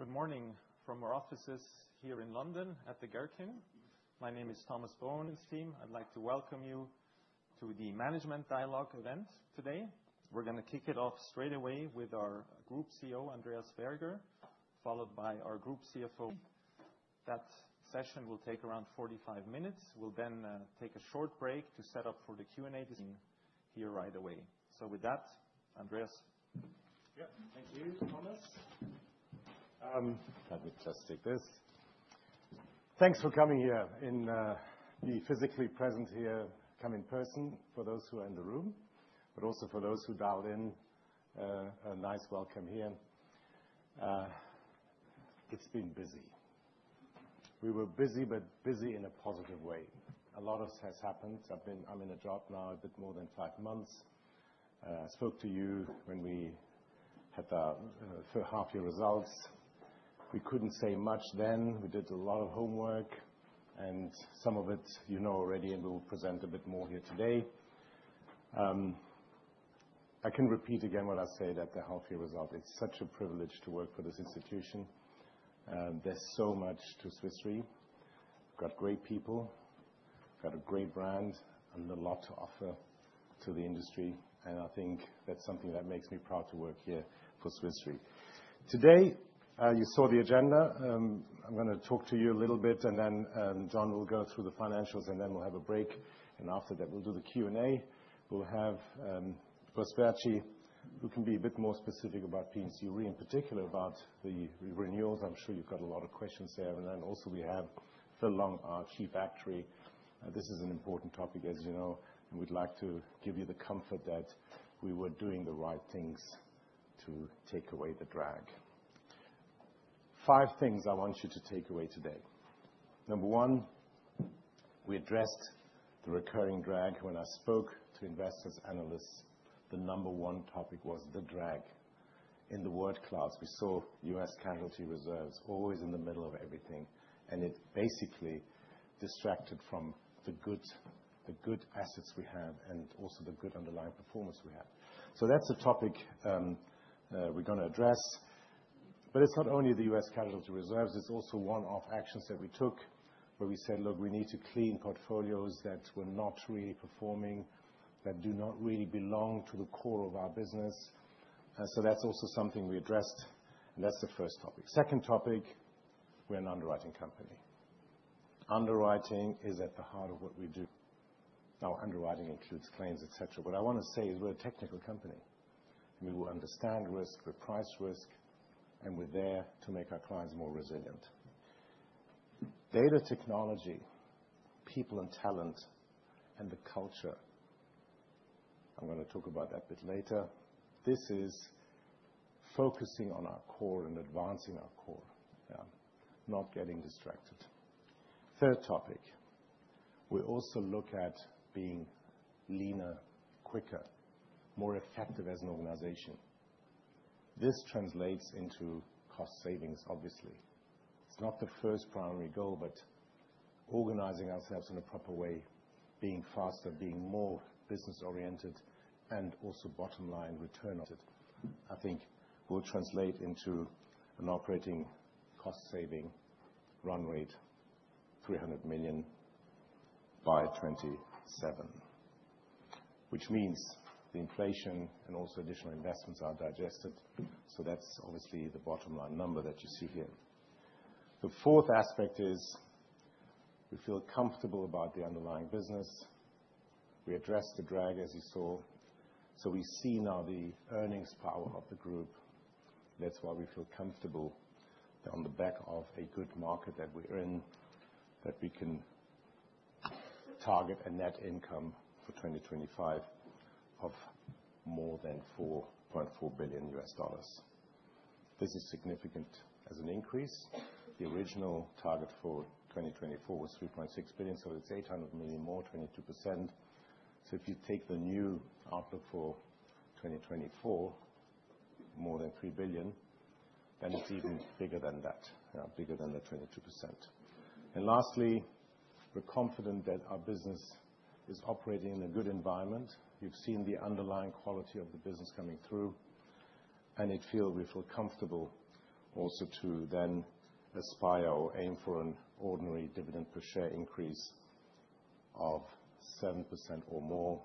Good morning from our offices here in London at the Gherkin. My name is Thomas Bohun. Esteemed, I'd like to welcome you to the Management Dialogue event today. We're going to kick it off straight away with our Group CEO, Andreas Berger, followed by our Group CFO. That session will take around 45 minutes. We'll then take a short break to set up for the Q&A here right away. So with that, Andreas. Yeah, thank you, Thomas. Let me just take this. Thanks for coming here. To those physically present here who came in person, and to those who dialed in, a nice welcome here. It's been busy. We were busy, but busy in a positive way. A lot has happened. I've been in a job now a bit more than five months. I spoke to you when we had the half-year results. We couldn't say much then. We did a lot of homework, and some of it you know already, and we'll present a bit more here today. I can repeat again what I said at the half-year result. It's such a privilege to work for this institution. There's so much to Swiss Re. Got great people, got a great brand, and a lot to offer to the industry. I think that's something that makes me proud to work here for Swiss Re. Today, you saw the agenda. I'm going to talk to you a little bit, and then John will go through the financials, and then we'll have a break. After that, we'll do the Q&A. We'll have Urs Baertschi, who can be a bit more specific about P&C Re in particular, about the renewals. I'm sure you've got a lot of questions there. Then also we have Phil Long, our Chief Actuary. This is an important topic, as you know, and we'd like to give you the comfort that we were doing the right things to take away the drag. Five things I want you to take away today. Number one, we addressed the recurring drag. When I spoke to investors and analysts, the number one topic was the drag in the world class. We saw U.S. casualty reserves always in the middle of everything, and it basically distracted from the good assets we have and also the good underlying performance we have. So that's a topic we're going to address. But it's not only the U.S. casualty reserves. It's also one of actions that we took where we said, "Look, we need to clean portfolios that were not really performing, that do not really belong to the core of our business." So that's also something we addressed, and that's the first topic. Second topic, we're an underwriting company. Underwriting is at the heart of what we do. Now, underwriting includes claims, etc. What I want to say is we're a technical company. I mean, we understand risk, we price risk, and we're there to make our clients more resilient. Data technology, people and talent, and the culture. I'm going to talk about that a bit later. This is focusing on our core and advancing our core. Yeah, not getting distracted. Third topic, we also look at being leaner, quicker, more effective as an organization. This translates into cost savings, obviously. It's not the first primary goal, but organizing ourselves in a proper way, being faster, being more business-oriented, and also bottom line return. I think will translate into an operating cost saving run rate of $300 million by 2027, which means the inflation and also additional investments are digested. So that's obviously the bottom line number that you see here. The fourth aspect is we feel comfortable about the underlying business. We address the drag, as you saw. So we see now the earnings power of the group. That's why we feel comfortable on the back of a good market that we're in, that we can target a net income for 2025 of more than $4.4 billion. This is significant as an increase. The original target for 2024 was $3.6 billion, so it's $800 million more, 22%. So if you take the new outlook for 2024, more than $3 billion, then it's even bigger than that, bigger than the 22%. And lastly, we're confident that our business is operating in a good environment. You've seen the underlying quality of the business coming through, and we feel comfortable also to then aspire or aim for an ordinary dividend per share increase of 7% or more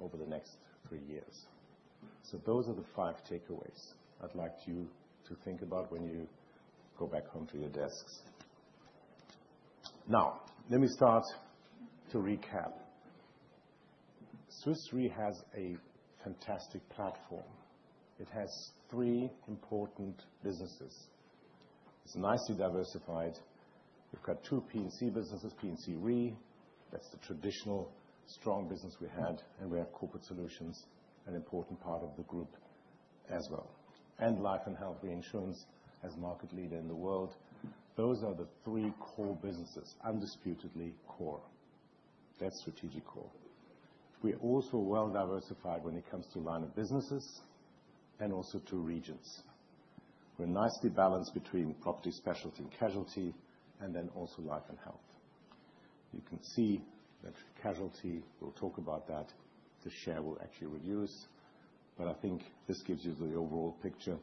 over the next three years. So those are the five takeaways I'd like you to think about when you go back home to your desks. Now, let me start to recap. Swiss Re has a fantastic platform. It has three important businesses. It's nicely diversified. We've got two P&C businesses, P&C Re. That's the traditional strong business we had, and we have corporate solutions, an important part of the group as well, and Life & Health reinsurance as market leader in the world. Those are the three core businesses, undisputedly core. That's strategic core. We're also well diversified when it comes to line of businesses and also to regions. We're nicely balanced between property specialty and casualty, and then also Life & Health. You can see that casualty, we'll talk about that, the share will actually reduce, but I think this gives you the overall picture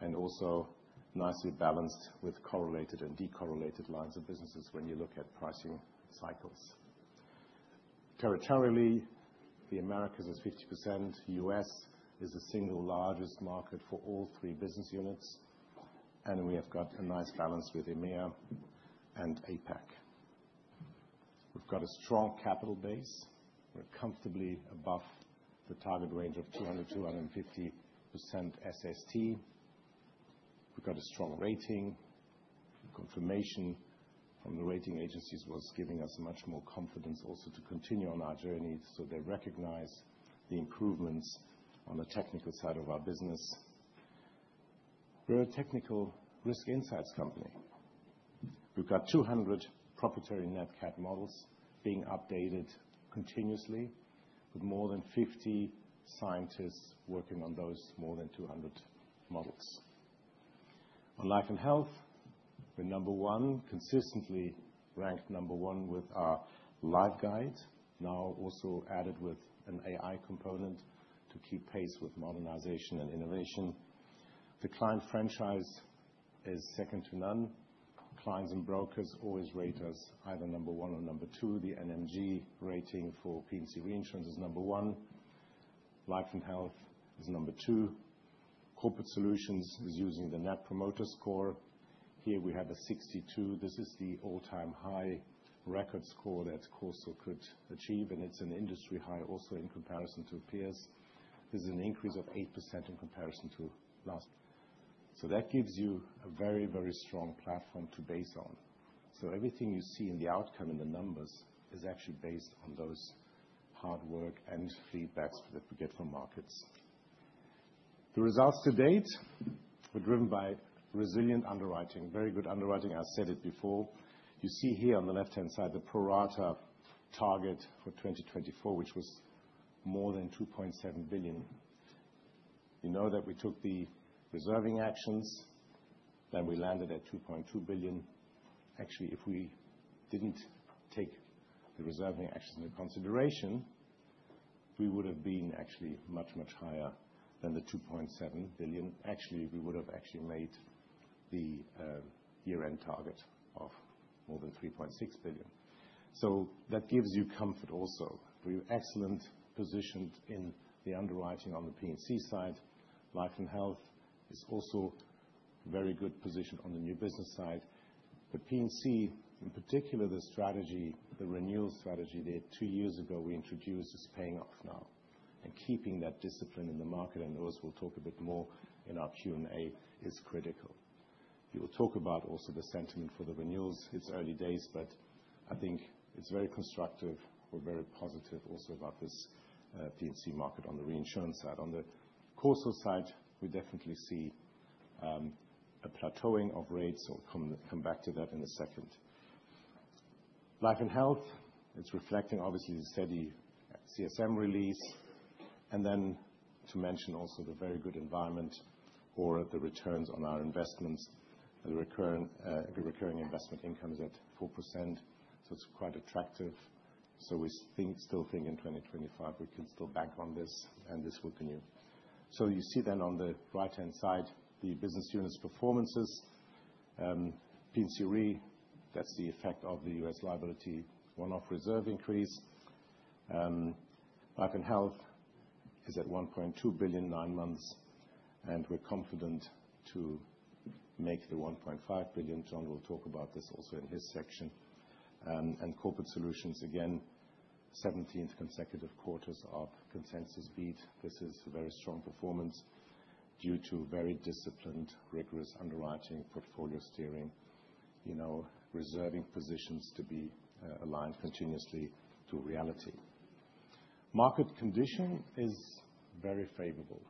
and also nicely balanced with correlated and decorrelated lines of businesses when you look at pricing cycles. Territorially, the Americas is 50%. U.S. is the single largest market for all three business units, and we have got a nice balance with EMEA and APAC. We've got a strong capital base. We're comfortably above the target range of 200-250% SST. We're a technical risk insights company. We've got 200 proprietary NatCat models being updated continuously with more than 50 scientists working on those more than 200 models. On Life & Health, we're number one, consistently ranked number one with our Life Guide, now also added with an AI component to keep pace with modernization and innovation. The client franchise is second to none. Clients and brokers always rate us either number one or number two. The NMG rating for P&C Reinsurance is number one. Life & Health is number two. Corporate Solutions is using the Net Promoter Score. Here we have a 62. This is the all-time high record score that CorSo could achieve, and it's an industry high also in comparison to peers. This is an increase of 8% in comparison to last. So that gives you a very, very strong platform to base on. So everything you see in the outcome and the numbers is actually based on those hard work and feedbacks that we get from markets. The results to date were driven by resilient underwriting, very good underwriting. I said it before. You see here on the left-hand side the pro-rata target for 2024, which was more than $2.7 billion. You know that we took the reserving actions, then we landed at $2.2 billion. Actually, if we didn't take the reserving actions into consideration, we would have been actually much, much higher than the $2.7 billion. Actually, we would have actually made the year-end target of more than $3.6 billion. So that gives you comfort also. We're excellent positioned in the underwriting on the P&C side. Life & Health is also very good positioned on the new business side. The P&C, in particular, the strategy, the renewal strategy there two years ago we introduced is paying off now. And keeping that discipline in the market, and those we'll talk a bit more in our Q&A, is critical. You will talk about also the sentiment for the renewals; it's early days, but I think it's very constructive. We're very positive also about this P&C market on the reinsurance side. On the CorSo side, we definitely see a plateauing of rates. I'll come back to that in a second. Life & Health, it's reflecting obviously the steady CSM release. And then to mention also the very good environment or the returns on our investments, the recurring investment income is at 4%. So it's quite attractive. So we still think in 2025 we can still bank on this, and this will continue. So you see then on the right-hand side the business units performances. P&C Re, that's the effect of the U.S. liability one-off reserve increase. Life & Health is at $1.2 billion nine months, and we're confident to make the $1.5 billion. John will talk about this also in his section. And Corporate Solutions, again, 17th consecutive quarters of consensus beat. This is a very strong performance due to very disciplined, rigorous underwriting, portfolio steering, reserving positions to be aligned continuously to reality. Market condition is very favorable.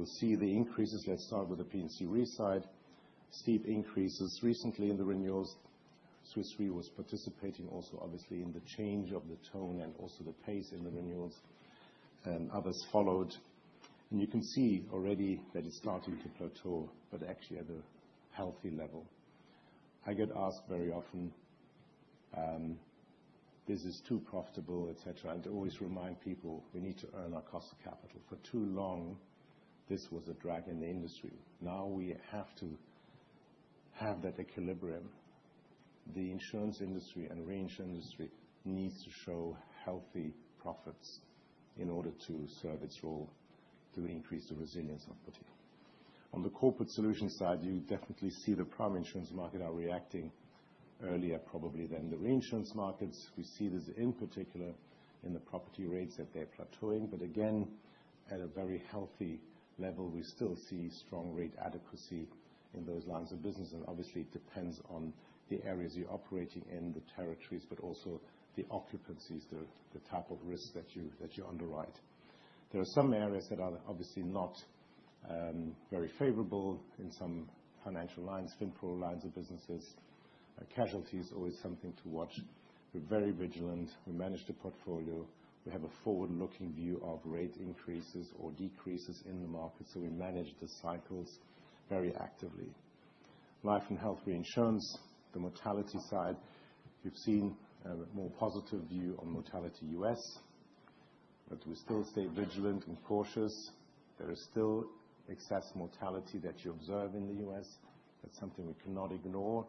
You'll see the increases. Let's start with the P&C Re side. Steep increases. Recently, in the renewals, Swiss Re was participating also obviously in the change of the tone and also the pace in the renewals, and others followed, and you can see already that it's starting to plateau, but actually at a healthy level. I get asked very often, "This is too profitable," etc., and to always remind people, "We need to earn our cost of capital." For too long, this was a drag in the industry. Now we have to have that equilibrium. The insurance industry and reinsurance industry needs to show healthy profits in order to serve its role to increase the resilience of the company. On the Corporate Solutions side, you definitely see the primary insurance market are reacting earlier probably than the reinsurance markets. We see this in particular in the property rates that they're plateauing, but again, at a very healthy level, we still see strong rate adequacy in those lines of business, and obviously, it depends on the areas you're operating in, the territories, but also the occupancies, the type of risk that you underwrite. There are some areas that are obviously not very favorable in some financial lines, FinPro lines of business. Casualty is always something to watch. We're very vigilant. We manage the portfolio. We have a forward-looking view of rate increases or decreases in the market, so we manage the cycles very actively. Life & Health Reinsurance, the mortality side, you've seen a more positive view on mortality in the U.S., but we still stay vigilant and cautious. There is still excess mortality that you observe in the U.S. That's something we cannot ignore,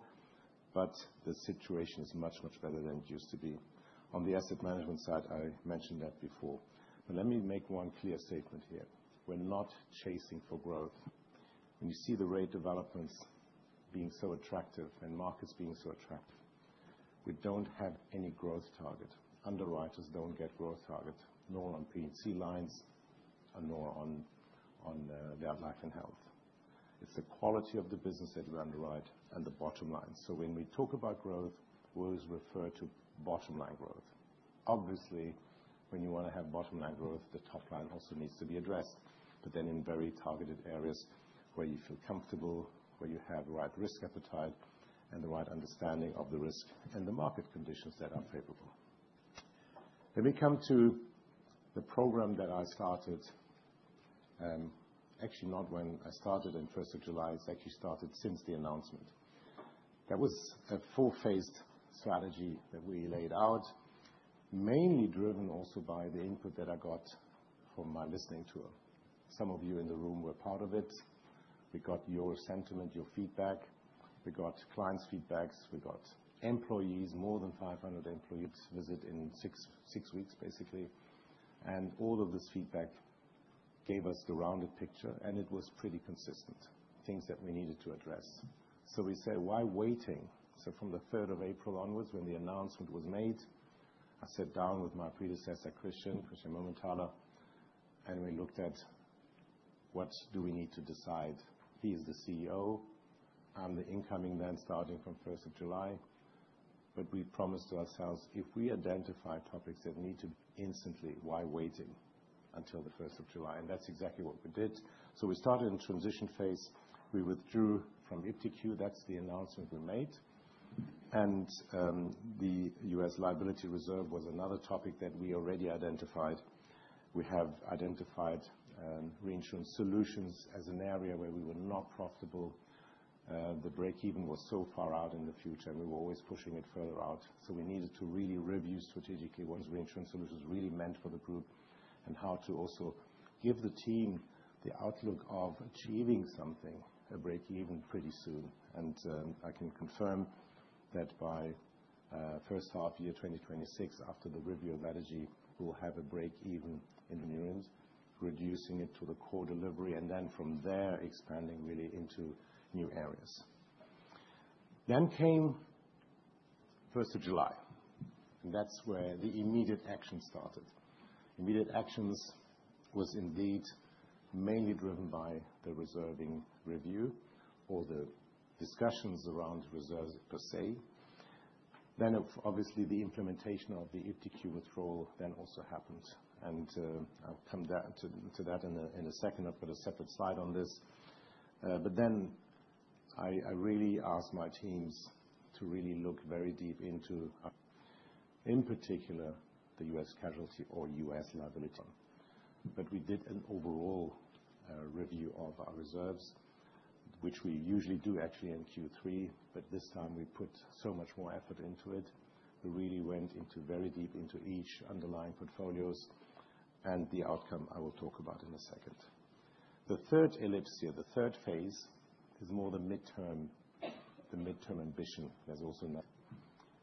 but the situation is much, much better than it used to be. On the asset management side, I mentioned that before. But let me make one clear statement here. We're not chasing for growth. When you see the rate developments being so attractive and markets being so attractive, we don't have any growth target. Underwriters don't get growth target, nor on P&C lines, nor on Life & Health. It's the quality of the business that we underwrite and the bottom line. So when we talk about growth, we always refer to bottom line growth. Obviously, when you want to have bottom line growth, the top line also needs to be addressed, but then in very targeted areas where you feel comfortable, where you have the right risk appetite and the right understanding of the risk and the market conditions that are favorable. Let me come to the program that I started, actually not when I started in first of July. It's actually started since the announcement. That was a four-phased strategy that we laid out, mainly driven also by the input that I got from my listening tour. Some of you in the room were part of it. We got your sentiment, your feedback. We got clients' feedbacks. We got employees, more than 500 employees visit in six weeks, basically. And all of this feedback gave us the rounded picture, and it was pretty consistent, things that we needed to address. So we said, "Why waiting?" So from the 3rd of April onwards, when the announcement was made, I sat down with my predecessor, Christian Mumenthaler, and we looked at what do we need to decide. He is the CEO. I'm the incoming then starting from 1st of July. But we promised ourselves, if we identify topics that need to instantly, why waiting until the 1st of July? And that's exactly what we did. So we started in transition phase. We withdrew from iptiQ. That's the announcement we made. And the U.S. liability reserve was another topic that we already identified. We have identified Reinsurance Solutions as an area where we were not profitable. The break-even was so far out in the future, and we were always pushing it further out. So we needed to really review strategically what Reinsurance Solutions really meant for the group and how to also give the team the outlook of achieving something, a break-even pretty soon. And I can confirm that by first half year 2026, after the review of strategy, we'll have a break-even in reinsurance, reducing it to the core delivery, and then from there expanding really into new areas. Then came July 1st. That's where the immediate action started. Immediate actions was indeed mainly driven by the reserving review or the discussions around reserves per se. Then obviously the implementation of the iptiQ withdrawal then also happened. I'll come to that in a second, but a separate slide on this. Then I really asked my teams to really look very deep into, in particular, the U.S. casualty or U.S. liability one. We did an overall review of our reserves, which we usually do actually in Q3, but this time we put so much more effort into it. We really went very deep into each underlying portfolios. The outcome I will talk about in a second. The third ellipse, the third phase is more the midterm, the midterm ambition. There's also.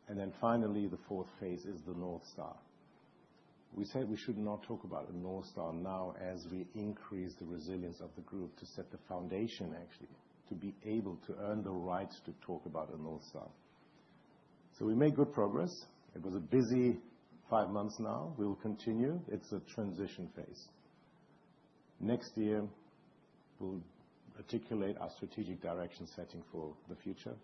Then finally, the fourth phase is the North Star. We said we should not talk about a North Star now as we increase the resilience of the group to set the foundation actually to be able to earn the right to talk about a North Star. So we made good progress. It was a busy five months now. We'll continue. It's a transition phase. Next year, we'll articulate our strategic direction setting for the future.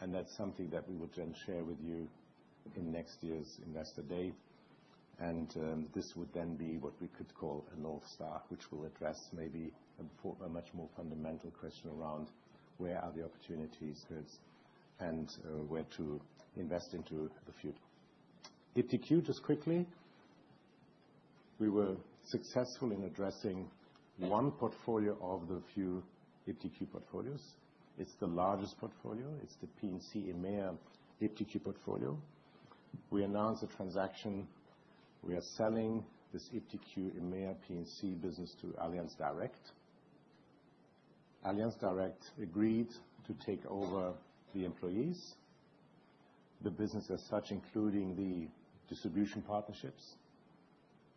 And that's something that we will then share with you in next year's Investor Day. And this would then be what we could call a North Star, which will address maybe a much more fundamental question around where are the opportunities, curves, and where to invest into the future. iptiQ, just quickly, we were successful in addressing one portfolio of the few iptiQ portfolios. It's the largest portfolio. It's the P&C EMEA iptiQ portfolio. We announced a transaction. We are selling this iptiQ EMEA P&C business to Allianz Direct. Allianz Direct agreed to take over the employees, the business as such, including the distribution partnerships,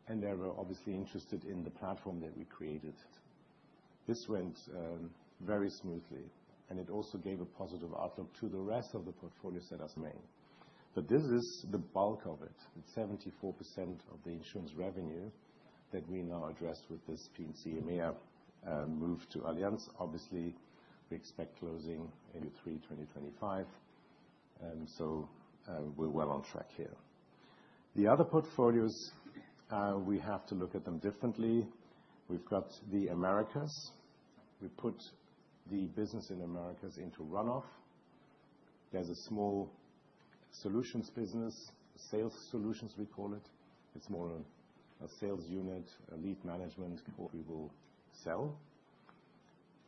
and they were obviously interested in the platform that we created. This went very smoothly, and it also gave a positive outlook to the rest of the portfolios that are remaining, but this is the bulk of it. It's 74% of the insurance revenue that we now address with this P&C EMEA move to Allianz. Obviously, we expect closing in Q3 2025, so we're well on track here. The other portfolios, we have to look at them differently. We've got the Americas. We put the business in Americas into runoff. There's a small solutions business, Sales Solutions we call it. It's more a sales unit, L&H Management. We will sell.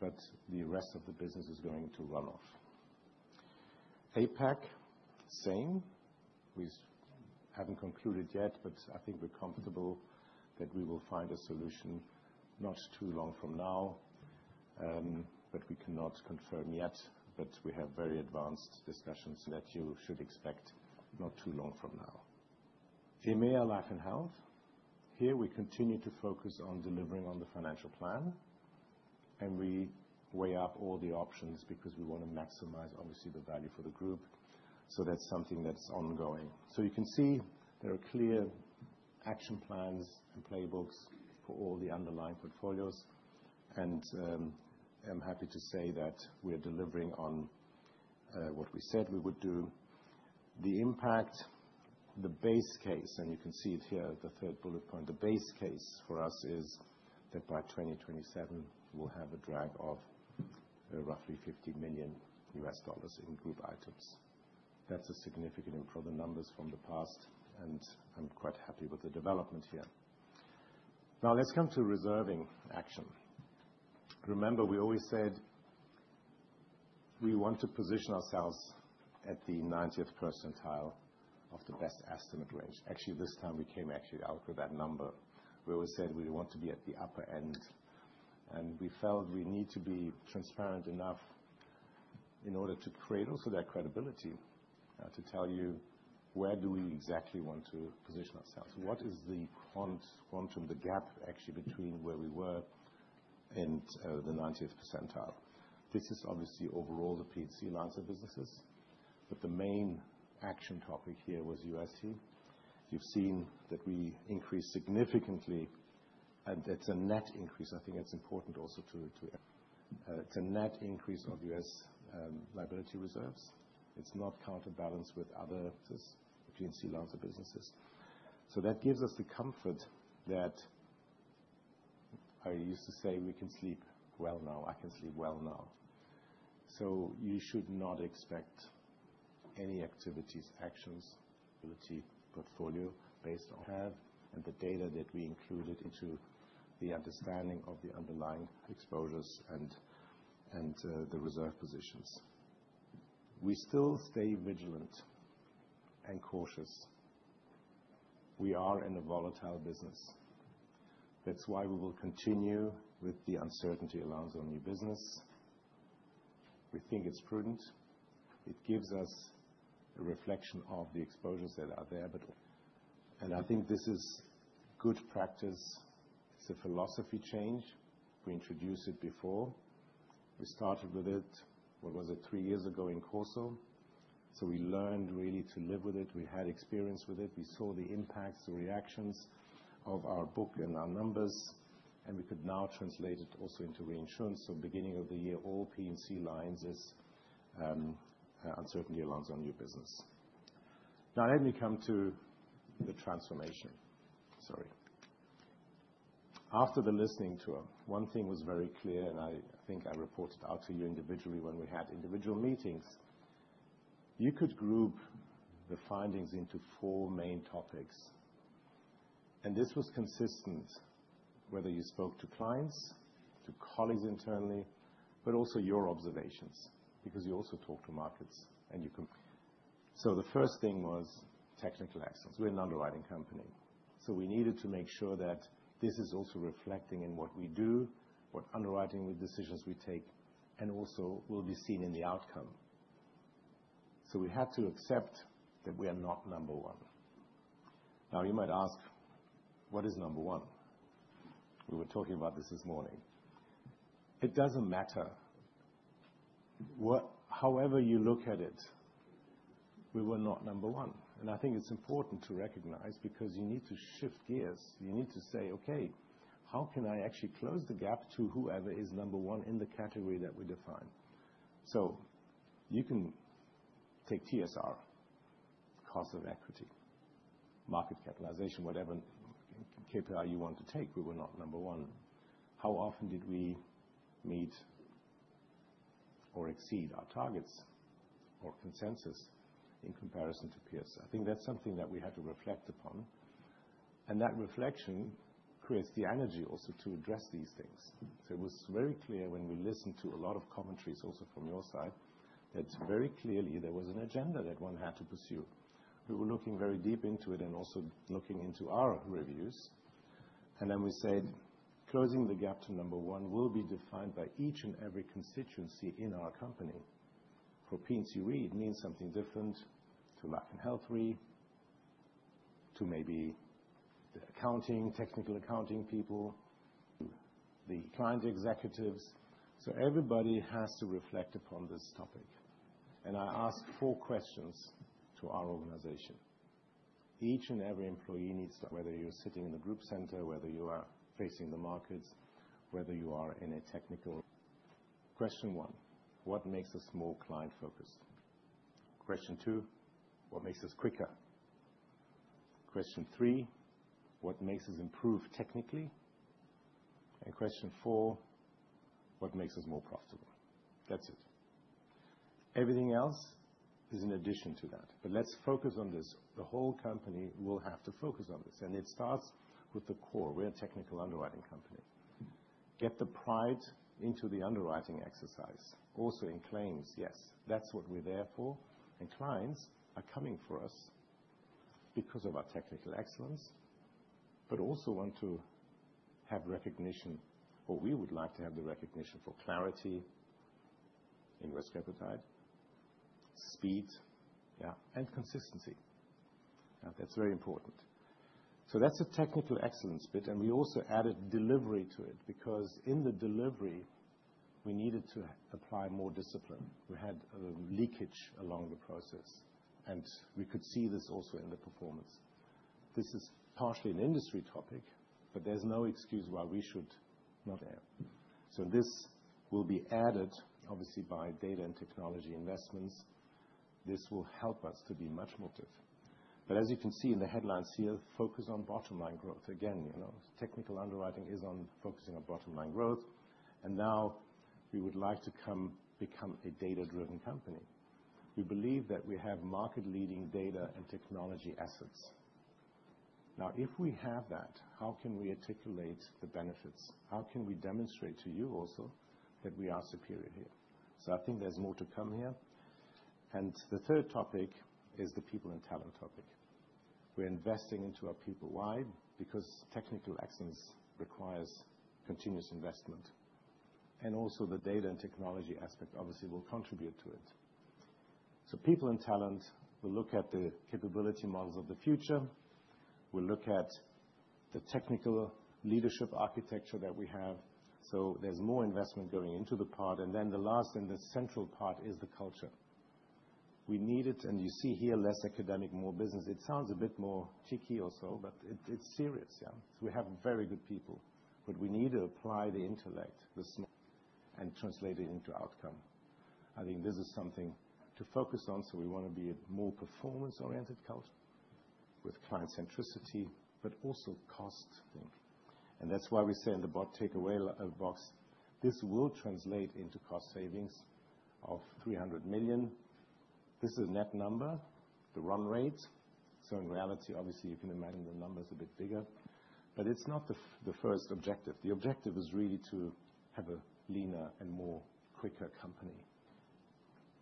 But the rest of the business is going into runoff. APAC, same. We haven't concluded yet, but I think we're comfortable that we will find a solution not too long from now, but we cannot confirm yet, but we have very advanced discussions that you should expect not too long from now. EMEA, Life & Health. Here we continue to focus on delivering on the financial plan, and we weigh up all the options because we want to maximize, obviously, the value for the group, so that's something that's ongoing, so you can see there are clear action plans and playbooks for all the underlying portfolios, and I'm happy to say that we're delivering on what we said we would do. The impact, the base case, and you can see it here, the third bullet point, the base case for us is that by 2027, we'll have a drag of roughly $50 million in Group items. That's a significant improvement. The numbers from the past, and I'm quite happy with the development here. Now let's come to reserving action. Remember, we always said we want to position ourselves at the 90th percentile of the best estimate range. Actually, this time we came actually out with that number where we said we want to be at the upper end. And we felt we need to be transparent enough in order to create also that credibility to tell you where do we exactly want to position ourselves. What is the quantum, the gap actually between where we were and the 90th percentile? This is obviously overall the P&C lines of businesses. But the main action topic here was U.S. casualty. You've seen that we increased significantly. And it's a net increase. I think it's important also. It's a net increase of U.S. liability reserves. It's not counterbalanced with other businesses, the P&C lines of businesses. So that gives us the comfort that I used to say we can sleep well now. I can sleep well now. So you should not expect any activities, actions, liability portfolio based on. We have and the data that we included into the understanding of the underlying exposures and the reserve positions. We still stay vigilant and cautious. We are in a volatile business. That's why we will continue with the uncertainty allowance on new business. We think it's prudent. It gives us a reflection of the exposures that are there. And I think this is good practice. It's a philosophy change. We introduced it before. We started with it, what was it, three years ago in CorSo. So we learned really to live with it. We had experience with it. We saw the impacts, the reactions of our book and our numbers. And we could now translate it also into reinsurance. So beginning of the year, all P&C lines is uncertainty allowance on new business. Now let me come to the transformation. Sorry. After the listening tour, one thing was very clear, and I think I reported out to you individually when we had individual meetings. You could group the findings into four main topics. And this was consistent whether you spoke to clients, to colleagues internally, but also your observations because you also talk to markets and you. So the first thing was technical excellence. We're an underwriting company. So we needed to make sure that this is also reflecting in what we do, what underwriting decisions we take, and also will be seen in the outcome. So we had to accept that we are not number one. Now you might ask, what is number one? We were talking about this this morning. It doesn't matter. However you look at it, we were not number one, and I think it's important to recognize because you need to shift gears. You need to say, "Okay, how can I actually close the gap to whoever is number one in the category that we define," so you can take TSR, cost of equity, market capitalization, whatever KPI you want to take, we were not number one. How often did we meet or exceed our targets or consensus in comparison to peers? I think that's something that we had to reflect upon, and that reflection creates the energy also to address these things. It was very clear when we listened to a lot of commentaries also from your side that very clearly there was an agenda that one had to pursue. We were looking very deep into it and also looking into our reviews, and then we said, "Closing the gap to number one will be defined by each and every constituency in our company." For P&C Re means something different to Life & Health Re, to maybe the accounting, technical accounting people, the client executives. So everybody has to reflect upon this topic, and I asked four questions to our organization. Each and every employee needs to, whether you're sitting in the group center, whether you are facing the markets, whether you are in a technical. Question one, what makes us more client-focused? Question two, what makes us quicker? Question three, what makes us improve technically? And question four, what makes us more profitable? That's it. Everything else is in addition to that, but let's focus on this. The whole company will have to focus on this. And it starts with the core. We're a technical underwriting company. Get the pride into the underwriting exercise. Also in claims, yes. That's what we're there for. And clients are coming for us because of our technical excellence, but also want to have recognition, or we would like to have the recognition for clarity in risk appetite, speed, yeah, and consistency. That's very important. So that's a technical excellence bit. And we also added delivery to it because in the delivery, we needed to apply more discipline. We had leakage along the process. And we could see this also in the performance. This is partially an industry topic, but there's no excuse why we should not. So this will be added, obviously, by data and technology investments. This will help us to be much more active. But as you can see in the headlines here, focus on bottom line growth. Again, technical underwriting is focusing on bottom line growth. And now we would like to become a data-driven company. We believe that we have market-leading data and technology assets. Now, if we have that, how can we articulate the benefits? How can we demonstrate to you also that we are superior here? So I think there's more to come here. And the third topic is the people and talent topic. We're investing into our people. Why? Because technical excellence requires continuous investment. And also the data and technology aspect, obviously, will contribute to it. So people and talent, we'll look at the capability models of the future. We'll look at the technical leadership architecture that we have. So there's more investment going into the part. And then the last and the central part is the culture. We need it, and you see here less academic, more business. It sounds a bit more cheeky also, but it's serious, yeah. We have very good people, but we need to apply the intellect, and translate it into outcome. I think this is something to focus on. We want to be a more performance-oriented culture with client centricity, but also cost thing. And that's why we say in the takeaway box, this will translate into cost savings of $300 million. This is a net number, the run rate. In reality, obviously, you can imagine the number is a bit bigger. But it's not the first objective. The objective is really to have a leaner and more quicker company.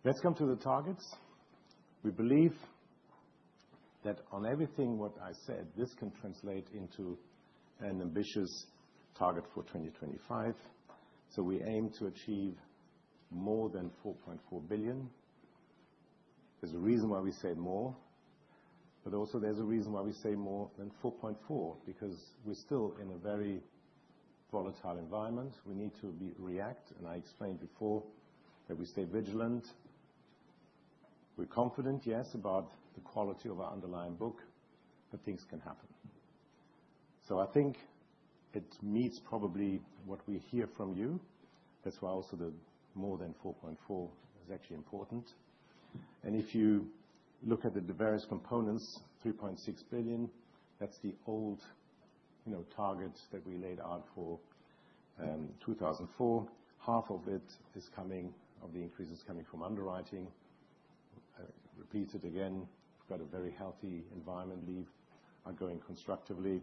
Let's come to the targets. We believe that on everything what I said, this can translate into an ambitious target for 2025. So we aim to achieve more than $4.4 billion. There's a reason why we say more. But also there's a reason why we say more than 4.4 because we're still in a very volatile environment. We need to react. And I explained before that we stay vigilant. We're confident, yes, about the quality of our underlying book, but things can happen. So I think it meets probably what we hear from you. That's why also the more than 4.4 is actually important. And if you look at the various components, $3.6 billion, that's the old target that we laid out for 2024. Half of it is coming from the increase is coming from underwriting. We've got a very healthy environment. Rates are going constructively.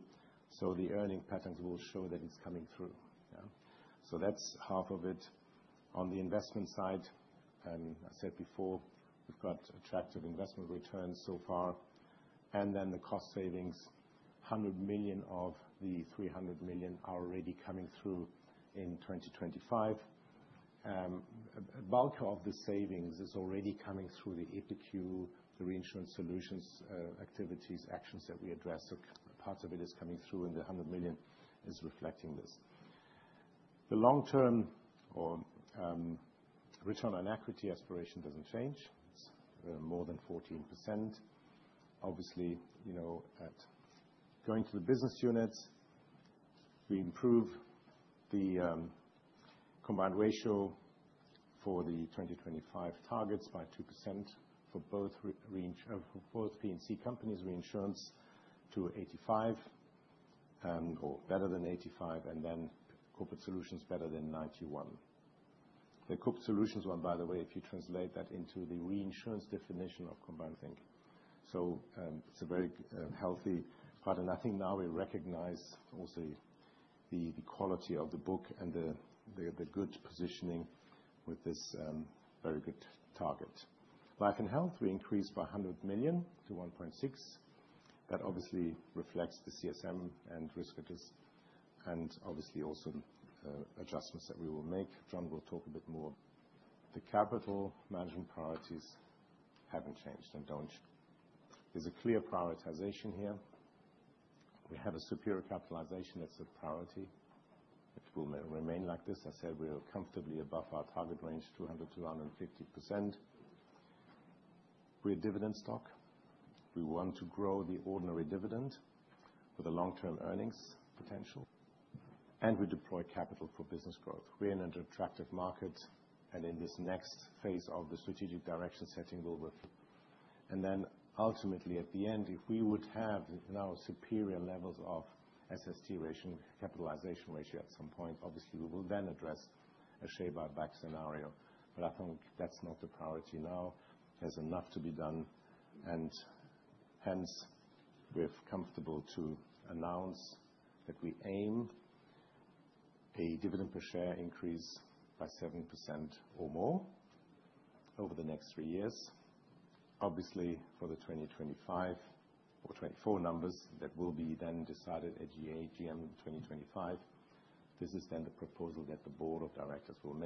So the earning patterns will show that it's coming through. So that's half of it. On the investment side, I said before, we've got attractive investment returns so far. And then the cost savings, 100 million of the 300 million are already coming through in 2025. A bulk of the savings is already coming through the P&C, the Reinsurance Solutions activities, actions that we address. So parts of it is coming through, and the 100 million is reflecting this. The long-term or return on equity aspiration doesn't change. It's more than 14%. Obviously. Now, going to the business units, we improve the combined ratio for the 2025 targets by 2% for both P&C Reinsurance to 85 or better than 85, and then Corporate Solutions better than 91. The Corporate Solutions one, by the way, if you translate that into the reinsurance definition of combined ratio. So it's a very healthy part. I think now we recognize also the quality of the book and the good positioning with this very good target. Life & Health, we increased by $100 million to $1.6 billion. That obviously reflects the CSM and risk adjustment and obviously also adjustments that we will make. John will talk a bit more. The capital management priorities haven't changed and don't. There's a clear prioritization here. We have a superior capitalization. That's a priority. It will remain like this. I said we're comfortably above our target range, 200%-150%. We're a dividend stock. We want to grow the ordinary dividend with a long-term earnings potential. And we deploy capital for business growth. We're in an attractive market. And in this next phase of the strategic direction setting, we'll reflect. Ultimately at the end, if we would have now superior levels of SST ratio, capitalization ratio at some point, obviously we will then address a share buyback scenario. But I think that's not the priority now. There's enough to be done. Hence we're comfortable to announce that we aim a dividend per share increase by 7% or more over the next three years. Obviously for the 2025 or 2024 numbers that will be then decided at AGM 2025. This is then the proposal that the board of directors will.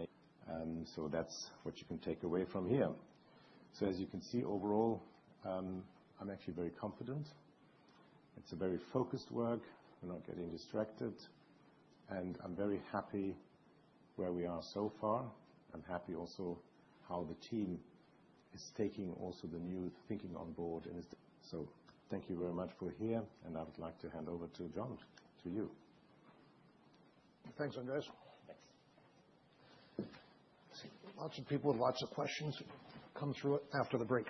That's what you can take away from here. As you can see overall, I'm actually very confident. It's a very focused work. We're not getting distracted. I'm very happy where we are so far. I'm happy also how the team is taking also the new thinking on board and. Thank you very much for being here. I would like to hand over to John, to you. Thanks, Andreas. Thanks. Lots of people with lots of questions come through after the break.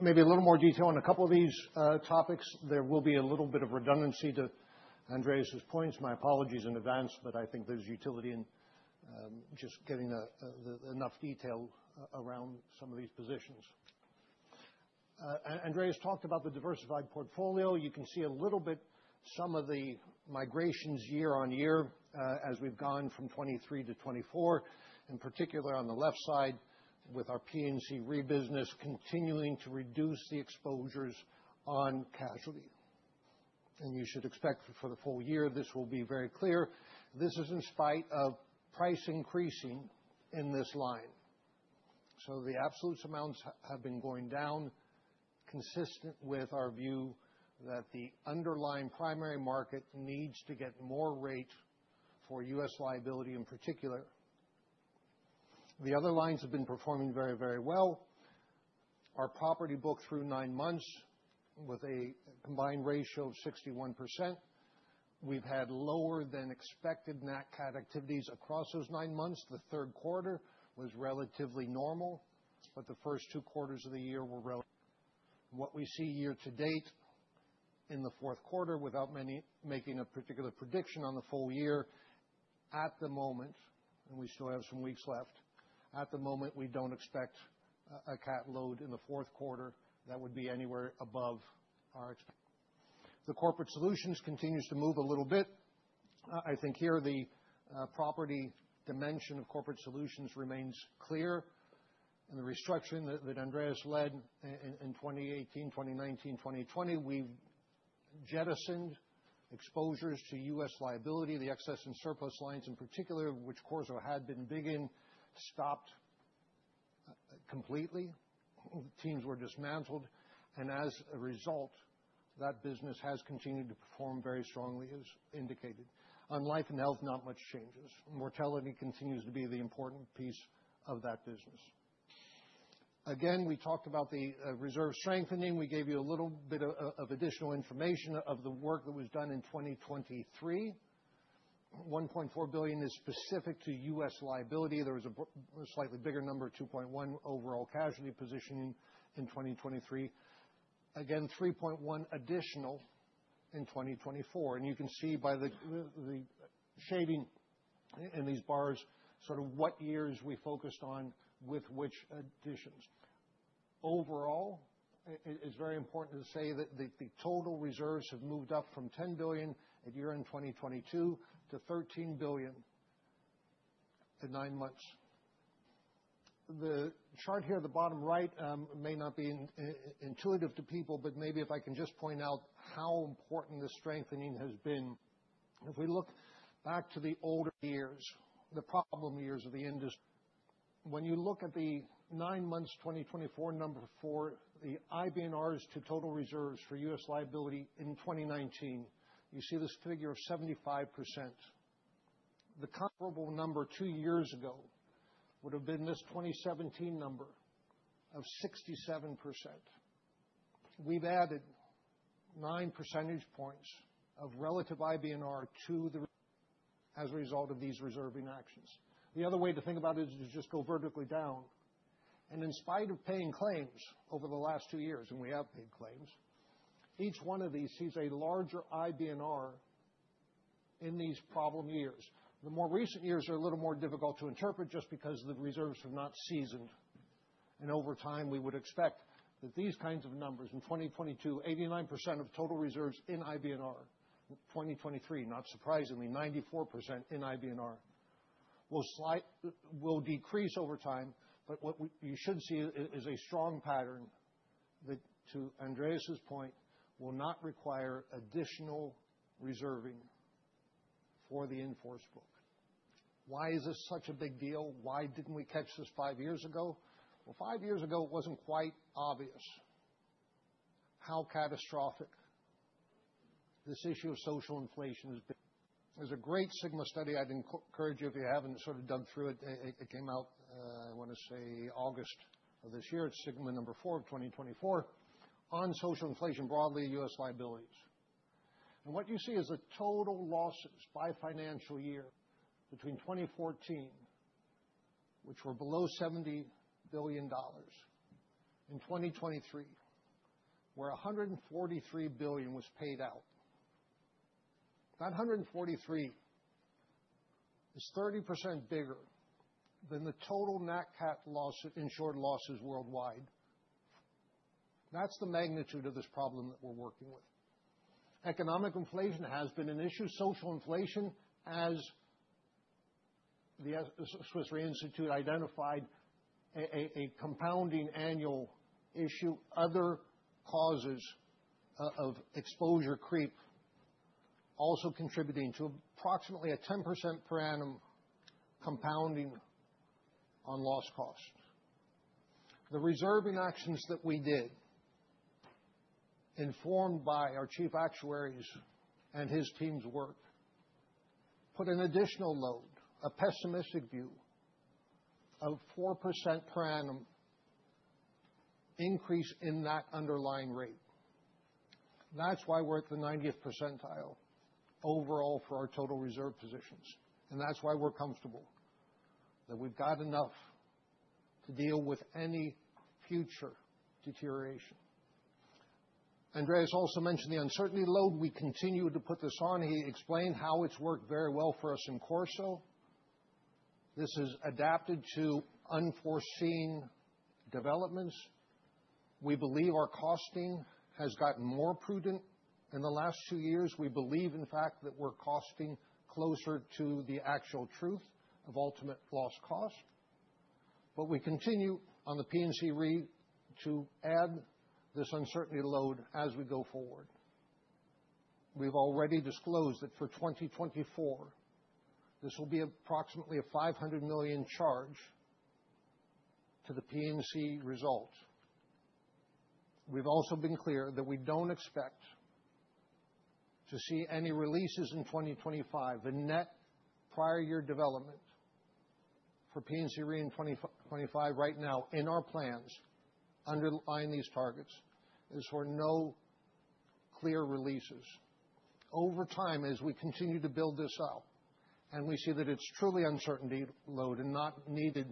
Maybe a little more detail on a couple of these topics. There will be a little bit of redundancy to Andreas's points. My apologies in advance, but I think there's utility in just getting enough detail around some of these positions. Andreas talked about the diversified portfolio. You can see a little bit some of the migrations year on year as we've gone from 2023 to 2024, in particular on the left side with our P&C Re business continuing to reduce the exposures on casualty. And you should expect for the full year this will be very clear. This is in spite of price increasing in this line. So the absolute amounts have been going down, consistent with our view that the underlying primary market needs to get more rate for U.S. liability in particular. The other lines have been performing very, very well. Our property book through nine months with a combined ratio of 61%. We've had lower than expected NatCat activities across those nine months. The third quarter was relatively normal, but the first two quarters of the year were. What we see year to date in the fourth quarter, without making a particular prediction on the full year at the moment, and we still have some weeks left. At the moment, we don't expect a cat load in the fourth quarter that would be anywhere above our expectation. Corporate Solutions continues to move a little bit. I think here the property dimension of Corporate Solutions remains clear, and the restructuring that Andreas led in 2018, 2019, 2020, we've jettisoned exposures to U.S. liability. The excess and surplus lines in particular, which CorSo had been big in, stopped completely. Teams were dismantled, and as a result, that business has continued to perform very strongly, as indicated. On Life & Health, not much changes. Mortality continues to be the important piece of that business. Again, we talked about the reserve strengthening. We gave you a little bit of additional information of the work that was done in 2023. $1.4 billion is specific to U.S. liability. There was a slightly bigger number, $2.1 billion overall casualty positioning in 2023. Again, $3.1 billion additional in 2024, and you can see by the shading in these bars sort of what years we focused on with which additions. Overall, it's very important to say that the total reserves have moved up from $10 billion at year-end in 2022 to $13 billion in nine months. The chart here at the bottom right may not be intuitive to people, but maybe if I can just point out how important the strengthening has been. If we look back to the older years, the problem years of the industry. When you look at the nine months 2024 number for the IBNRs to total reserves for U.S. liability in 2019, you see this figure of 75%. The comparable number two years ago would have been this 2017 number of 67%. We've added 9 percentage points of relative IBNR to the as a result of these reserving actions. The other way to think about it is just go vertically down. And in spite of paying claims over the last two years, and we have paid claims, each one of these sees a larger IBNR in these problem years. The more recent years are a little more difficult to interpret just because the reserves have not seasoned, and over time, we would expect that these kinds of numbers in 2022, 89% of total reserves in IBNR, 2023, not surprisingly, 94% in IBNR will decrease over time, but what you should see is a strong pattern that, to Andreas's point, will not require additional reserving for the in-force book. Why is this such a big deal? Why didn't we catch this five years ago? Well, five years ago, it wasn't quite obvious how catastrophic this issue of social inflation has been. There's a great Sigma study. I'd encourage you, if you haven't sort of dug through it, it came out, I want to say, August of this year at Sigma number 4 of 2024 on social inflation broadly, U.S. liabilities. What you see is the total losses by financial year between 2014, which were below $70 billion, in 2023, where $143 billion was paid out. That 143 is 30% bigger than the total net NatCat insured losses worldwide. That's the magnitude of this problem that we're working with. Economic inflation has been an issue. Social inflation, as the Swiss Re Institute identified, a compounding annual issue. Other causes of exposure creep also contributing to approximately a 10% per annum compounding on loss costs. The reserving actions that we did, informed by our Chief Actuary and his team's work, put an additional load, a pessimistic view of 4% per annum increase in that underlying rate. That's why we're at the 90th percentile overall for our total reserve positions. That's why we're comfortable that we've got enough to deal with any future deterioration. Andreas also mentioned the uncertainty load. We continue to put this on. He explained how it's worked very well for us in CorSo. This is adapted to unforeseen developments. We believe our costing has gotten more prudent in the last two years. We believe, in fact, that we're costing closer to the actual truth of ultimate loss cost. But we continue on the P&C Re to add this uncertainty load as we go forward. We've already disclosed that for 2024, this will be approximately a $500 million charge to the P&C result. We've also been clear that we don't expect to see any releases in 2025. The net prior year development for P&C Re in 2025 right now in our plans underlying these targets is for no net releases. Over time, as we continue to build this out and we see that it's truly uncertainty load and not needed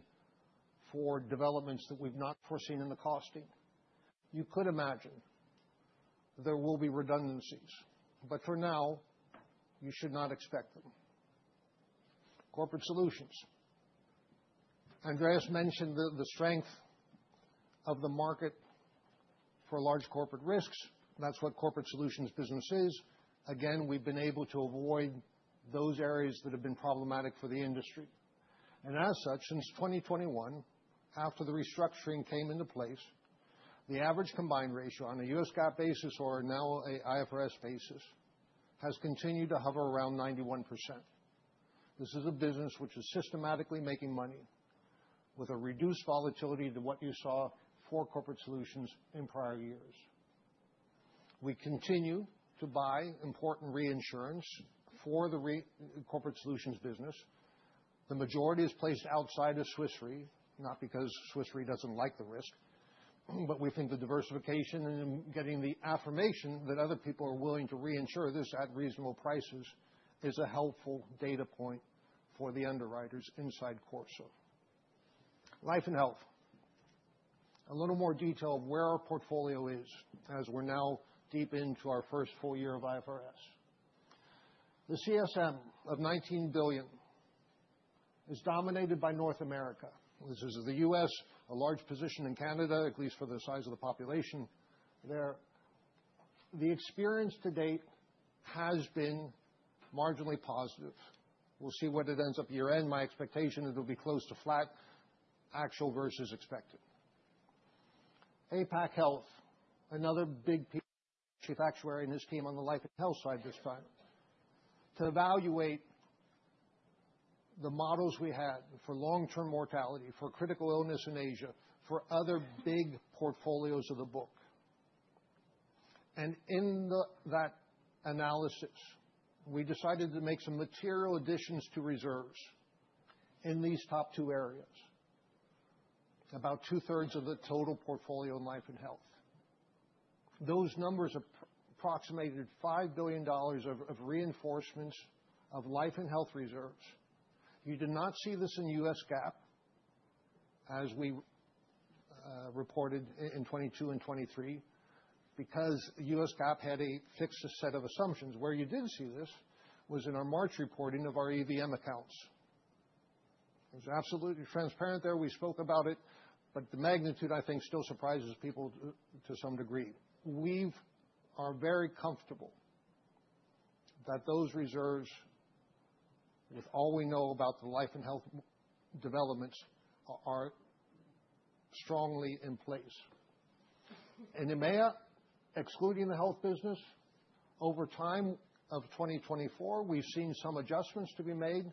for developments that we've not foreseen in the costing, you could imagine there will be redundancies. But for now, you should not expect them. Corporate Solutions. Andreas mentioned the strength of the market for large corporate risks. That's what Corporate Solutions business is. Again, we've been able to avoid those areas that have been problematic for the industry. And as such, since 2021, after the restructuring came into place, the average combined ratio on a U.S. GAAP basis or now an IFRS basis has continued to hover around 91%. This is a business which is systematically making money with a reduced volatility to what you saw for Corporate Solutions in prior years. We continue to buy important reinsurance for the Corporate Solutions business. The majority is placed outside of Swiss Re, not because Swiss Re doesn't like the risk, but we think the diversification and getting the affirmation that other people are willing to reinsure this at reasonable prices is a helpful data point for the underwriters inside CorSo. Life & Health. A little more detail of where our portfolio is as we're now deep into our first full year of IFRS. The CSM of $19 billion is dominated by North America. This is the U.S., a large position in Canada, at least for the size of the population there. The experience to date has been marginally positive. We'll see what it ends up year end. My expectation is it'll be close to flat, actual versus expected. APAC Health, another big piece. Chief Actuary and his team on the Life & Health side this time, to evaluate the models we had for long-term mortality, for critical illness in Asia, for other big portfolios of the book. And in that analysis, we decided to make some material additions to reserves in these top two areas, about two-thirds of the total portfolio in Life & Health. Those numbers approximated $5 billion of reinforcements of Life & Health reserves. You did not see this in U.S. GAAP as we reported in 2022 and 2023 because U.S. GAAP had a fixed set of assumptions. Where you did see this was in our March reporting of our EVM accounts. It was absolutely transparent there. We spoke about it, but the magnitude, I think, still surprises people to some degree. We are very comfortable that those reserves, with all we know about the Life & Health developments, are strongly in place. And EMEA, excluding the health business, over time of 2024, we've seen some adjustments to be made.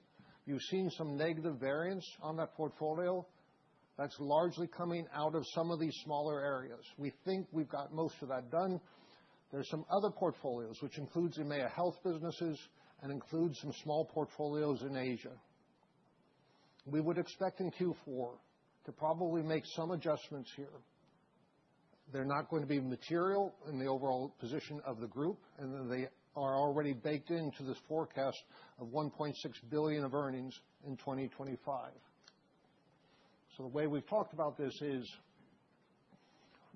You've seen some negative variance on that portfolio. That's largely coming out of some of these smaller areas. We think we've got most of that done. There's some other portfolios, which includes EMEA health businesses and includes some small portfolios in Asia. We would expect in Q4 to probably make some adjustments here. They're not going to be material in the overall position of the group, and they are already baked into this forecast of $1.6 billion of earnings in 2025. So the way we've talked about this is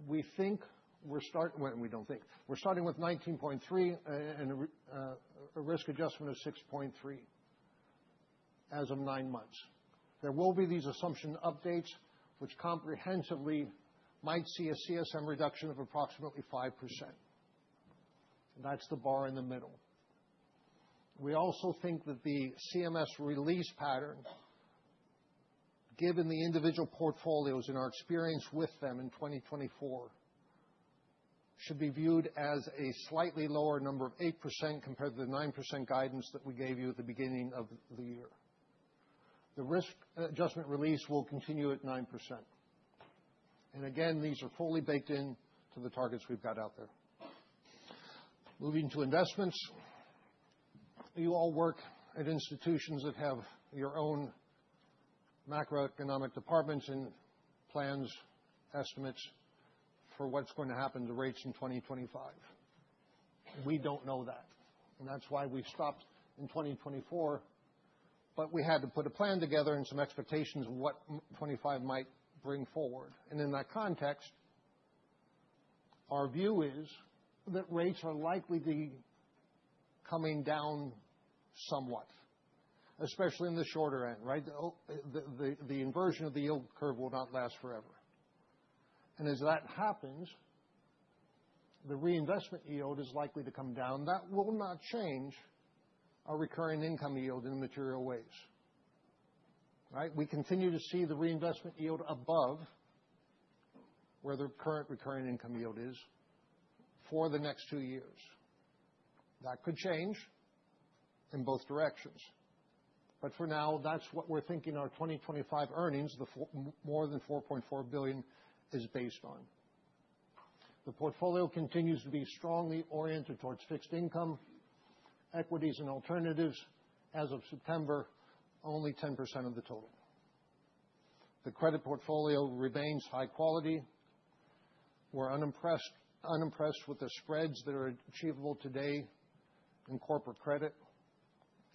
we think we're starting, well, we don't think. We're starting with 19.3 and a risk adjustment of 6.3 as of nine months. There will be these assumption updates, which comprehensively might see a CSM reduction of approximately 5%. That's the bar in the middle. We also think that the CSM release pattern, given the individual portfolios and our experience with them in 2024, should be viewed as a slightly lower number of 8% compared to the 9% guidance that we gave you at the beginning of the year. The risk adjustment release will continue at 9%. And again, these are fully baked into the targets we've got out there. Moving to investments. You all work at institutions that have your own macroeconomic departments and plans, estimates for what's going to happen to rates in 2025. We don't know that. And that's why we stopped in 2024, but we had to put a plan together and some expectations of what 2025 might bring forward. And in that context, our view is that rates are likely to be coming down somewhat, especially in the shorter end, right? The inversion of the yield curve will not last forever. And as that happens, the reinvestment yield is likely to come down. That will not change our recurring income yield in material ways, right? We continue to see the reinvestment yield above where the current recurring income yield is for the next two years. That could change in both directions. But for now, that's what we're thinking our 2025 earnings, the more than $4.4 billion is based on. The portfolio continues to be strongly oriented towards fixed income, equities, and alternatives. As of September, only 10% of the total. The credit portfolio remains high quality. We're unimpressed with the spreads that are achievable today in corporate credit.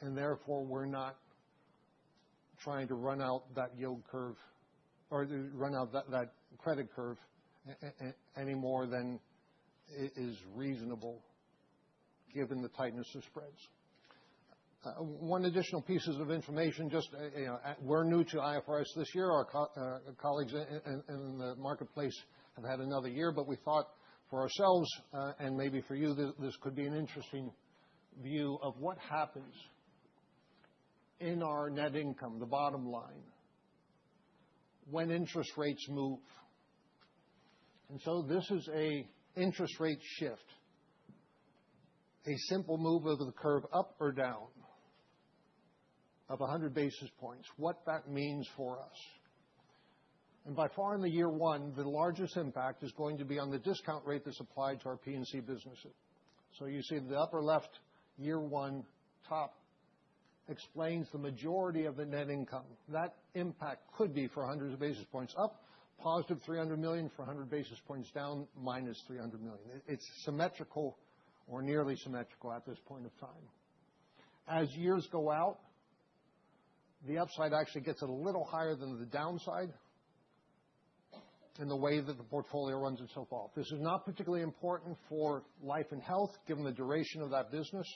And therefore, we're not trying to run out that yield curve or run out that credit curve any more than it is reasonable given the tightness of spreads. One additional piece of information, just we're new to IFRS this year. Our colleagues in the marketplace have had another year, but we thought for ourselves and maybe for you, this could be an interesting view of what happens in our net income, the bottom line, when interest rates move. And so this is an interest rate shift, a simple move of the curve up or down of 100 basis points, what that means for us. And by far in the year one, the largest impact is going to be on the discount rate that's applied to our P&C businesses. So you see the upper left year one top explains the majority of the net income. That impact could be for hundreds of basis points up, +$300 million for 100 basis points down, -$300 million. It's symmetrical or nearly symmetrical at this point of time. As years go out, the upside actually gets a little higher than the downside in the way that the portfolio runs itself off. This is not particularly important for Life & Health given the duration of that business,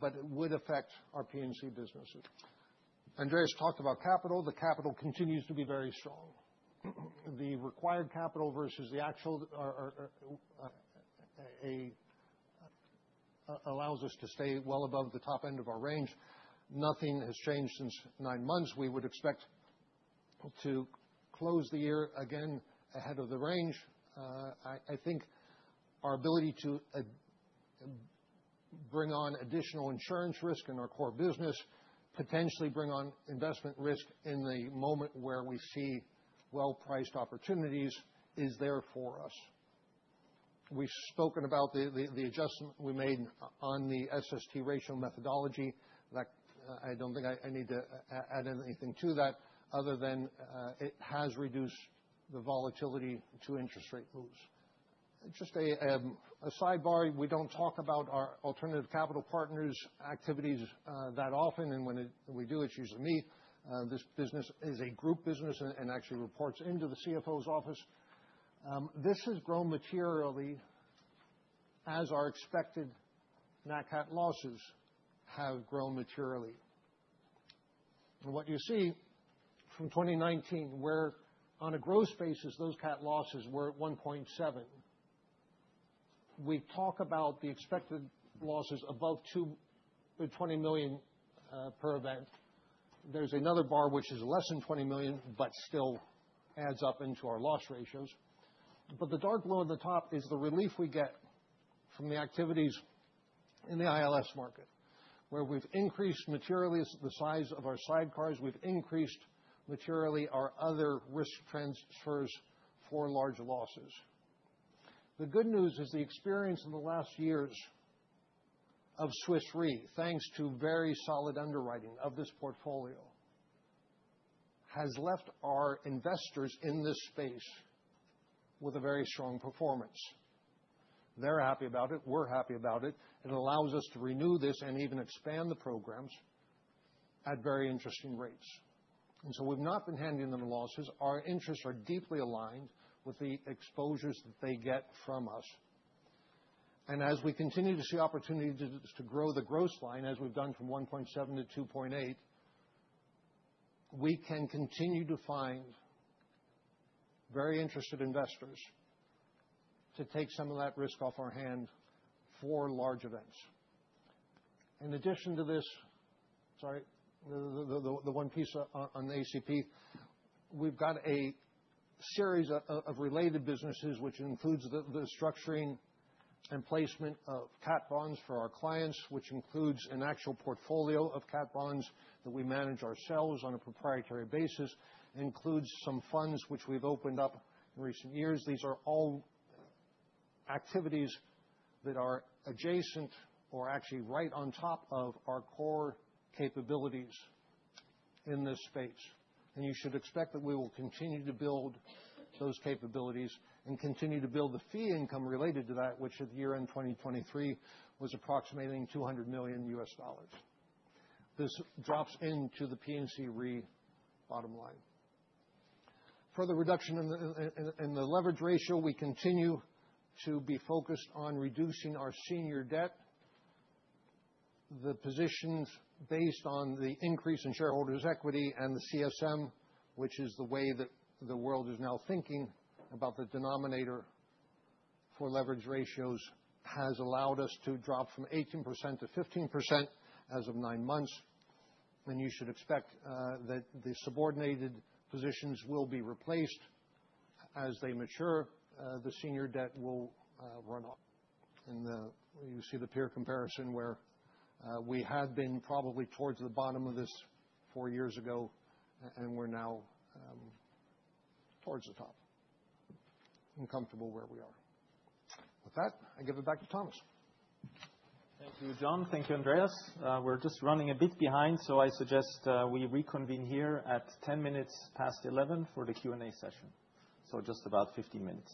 but it would affect our P&C businesses. Andreas talked about capital. The capital continues to be very strong. The required capital versus the actual allows us to stay well above the top end of our range. Nothing has changed since nine months. We would expect to close the year again ahead of the range. I think our ability to bring on additional insurance risk in our core business, potentially bring on investment risk in the moment where we see well-priced opportunities is there for us. We've spoken about the adjustment we made on the SST ratio methodology. I don't think I need to add anything to that other than it has reduced the volatility to interest rate moves. Just a sidebar, we don't talk about our alternative capital partners' activities that often, and when we do, it's usually me. This business is a group business and actually reports into the CFO's office. This has grown materially as our expected net NatCat losses have grown materially. And what you see from 2019, where on a gross basis, those NatCat losses were at $1.7 billion. We talk about the expected losses above $20 million per event. There's another bar, which is less than 20 million, but still adds up into our loss ratios. But the dark blue on the top is the relief we get from the activities in the ILS market, where we've increased materially the size of our sidecars. We've increased materially our other risk transfers for large losses. The good news is the experience in the last years of Swiss Re, thanks to very solid underwriting of this portfolio, has left our investors in this space with a very strong performance. They're happy about it. We're happy about it. It allows us to renew this and even expand the programs at very interesting rates. And so we've not been handing them losses. Our interests are deeply aligned with the exposures that they get from us. As we continue to see opportunities to grow the gross line, as we've done from 1.7 to 2.8, we can continue to find very interested investors to take some of that risk off our hands for large events. In addition to this, sorry, the one piece on the ACP, we've got a series of related businesses, which includes the structuring and placement of cat bonds for our clients, which includes an actual portfolio of cat bonds that we manage ourselves on a proprietary basis, includes some funds which we've opened up in recent years. These are all activities that are adjacent or actually right on top of our core capabilities in this space. You should expect that we will continue to build those capabilities and continue to build the fee income related to that, which at year-end 2023 was approximating $200 million. This drops into the P&C Re bottom line. For the reduction in the leverage ratio, we continue to be focused on reducing our senior debt. The positions based on the increase in shareholders' equity and the CSM, which is the way that the world is now thinking about the denominator for leverage ratios, has allowed us to drop from 18% to 15% as of nine months, and you should expect that the subordinated positions will be replaced as they mature. The senior debt will run, and you see the peer comparison where we had been probably towards the bottom of this four years ago, and we're now towards the top and comfortable where we are. With that, I give it back to Thomas. Thank you, John. Thank you, Andreas. We're just running a bit behind, so I suggest we reconvene here at 10 minutes past 11 for the Q&A session. So just about 15 minutes.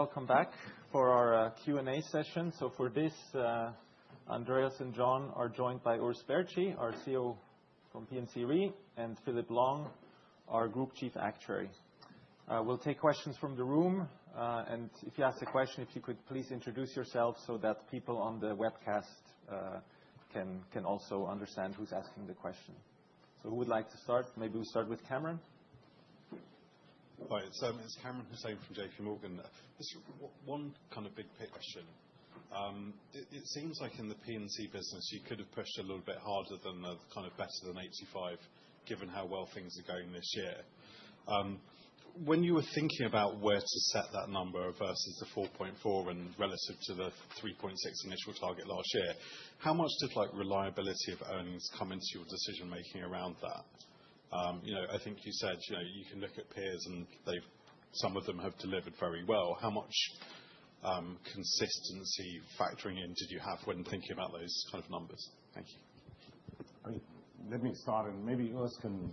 Great. Welcome back for our Q&A session. So for this, Andreas and John are joined by Urs Baertschi, our CEO from P&C Re, and Philip Long, our Group Chief Actuary. We'll take questions from the room. And if you ask a question, if you could please introduce yourself so that people on the webcast can also understand who's asking the question. So who would like to start? Maybe we'll start with Kamran. Hi. So it's Kamran Hossain from J.P. Morgan. Just one kind of big picture. It seems like in the P&C business, you could have pushed a little bit harder than the kind of better than 85, given how well things are going this year. When you were thinking about where to set that number versus the 4.4 and relative to the 3.6 initial target last year, how much did reliability of earnings come into your decision-making around that? I think you said you can look at peers, and some of them have delivered very well. How much consistency factoring in did you have when thinking about those kind of numbers? Thank you. I mean, let me start, and maybe Urs can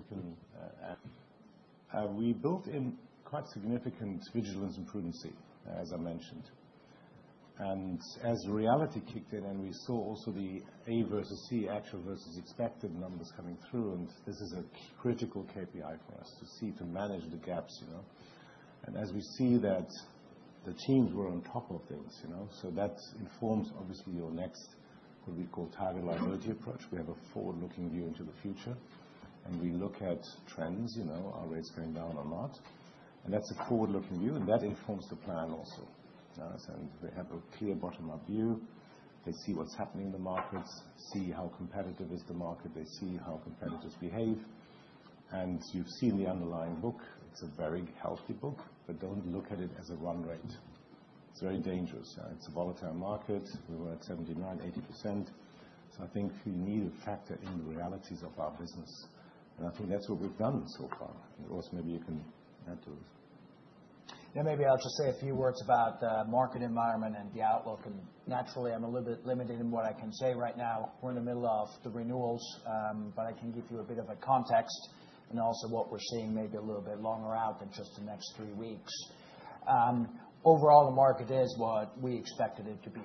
add. We built in quite significant vigilance and prudence, as I mentioned. And as reality kicked in, and we saw also the A versus E, actual versus expected numbers coming through, and this is a critical KPI for us to see to manage the gaps. And as we see that, the teams were on top of things. So that informs, obviously, your next, what we call target liability approach. We have a forward-looking view into the future, and we look at trends, our rates going down or not. And that's a forward-looking view, and that informs the plan also. And they have a clear bottom-up view. They see what's happening in the markets, see how competitive is the market, they see how competitors behave. And you've seen the underlying book. It's a very healthy book, but don't look at it as a run rate. It's very dangerous. It's a volatile market. We were at 79%-80%. So I think you need to factor in the realities of our business. And I think that's what we've done so far. And Urs, maybe you can add to it. Yeah, maybe I'll just say a few words about the market environment and the outlook, and naturally, I'm a little bit limited in what I can say right now. We're in the middle of the renewals, but I can give you a bit of a context and also what we're seeing maybe a little bit longer out than just the next three weeks. Overall, the market is what we expected it to be,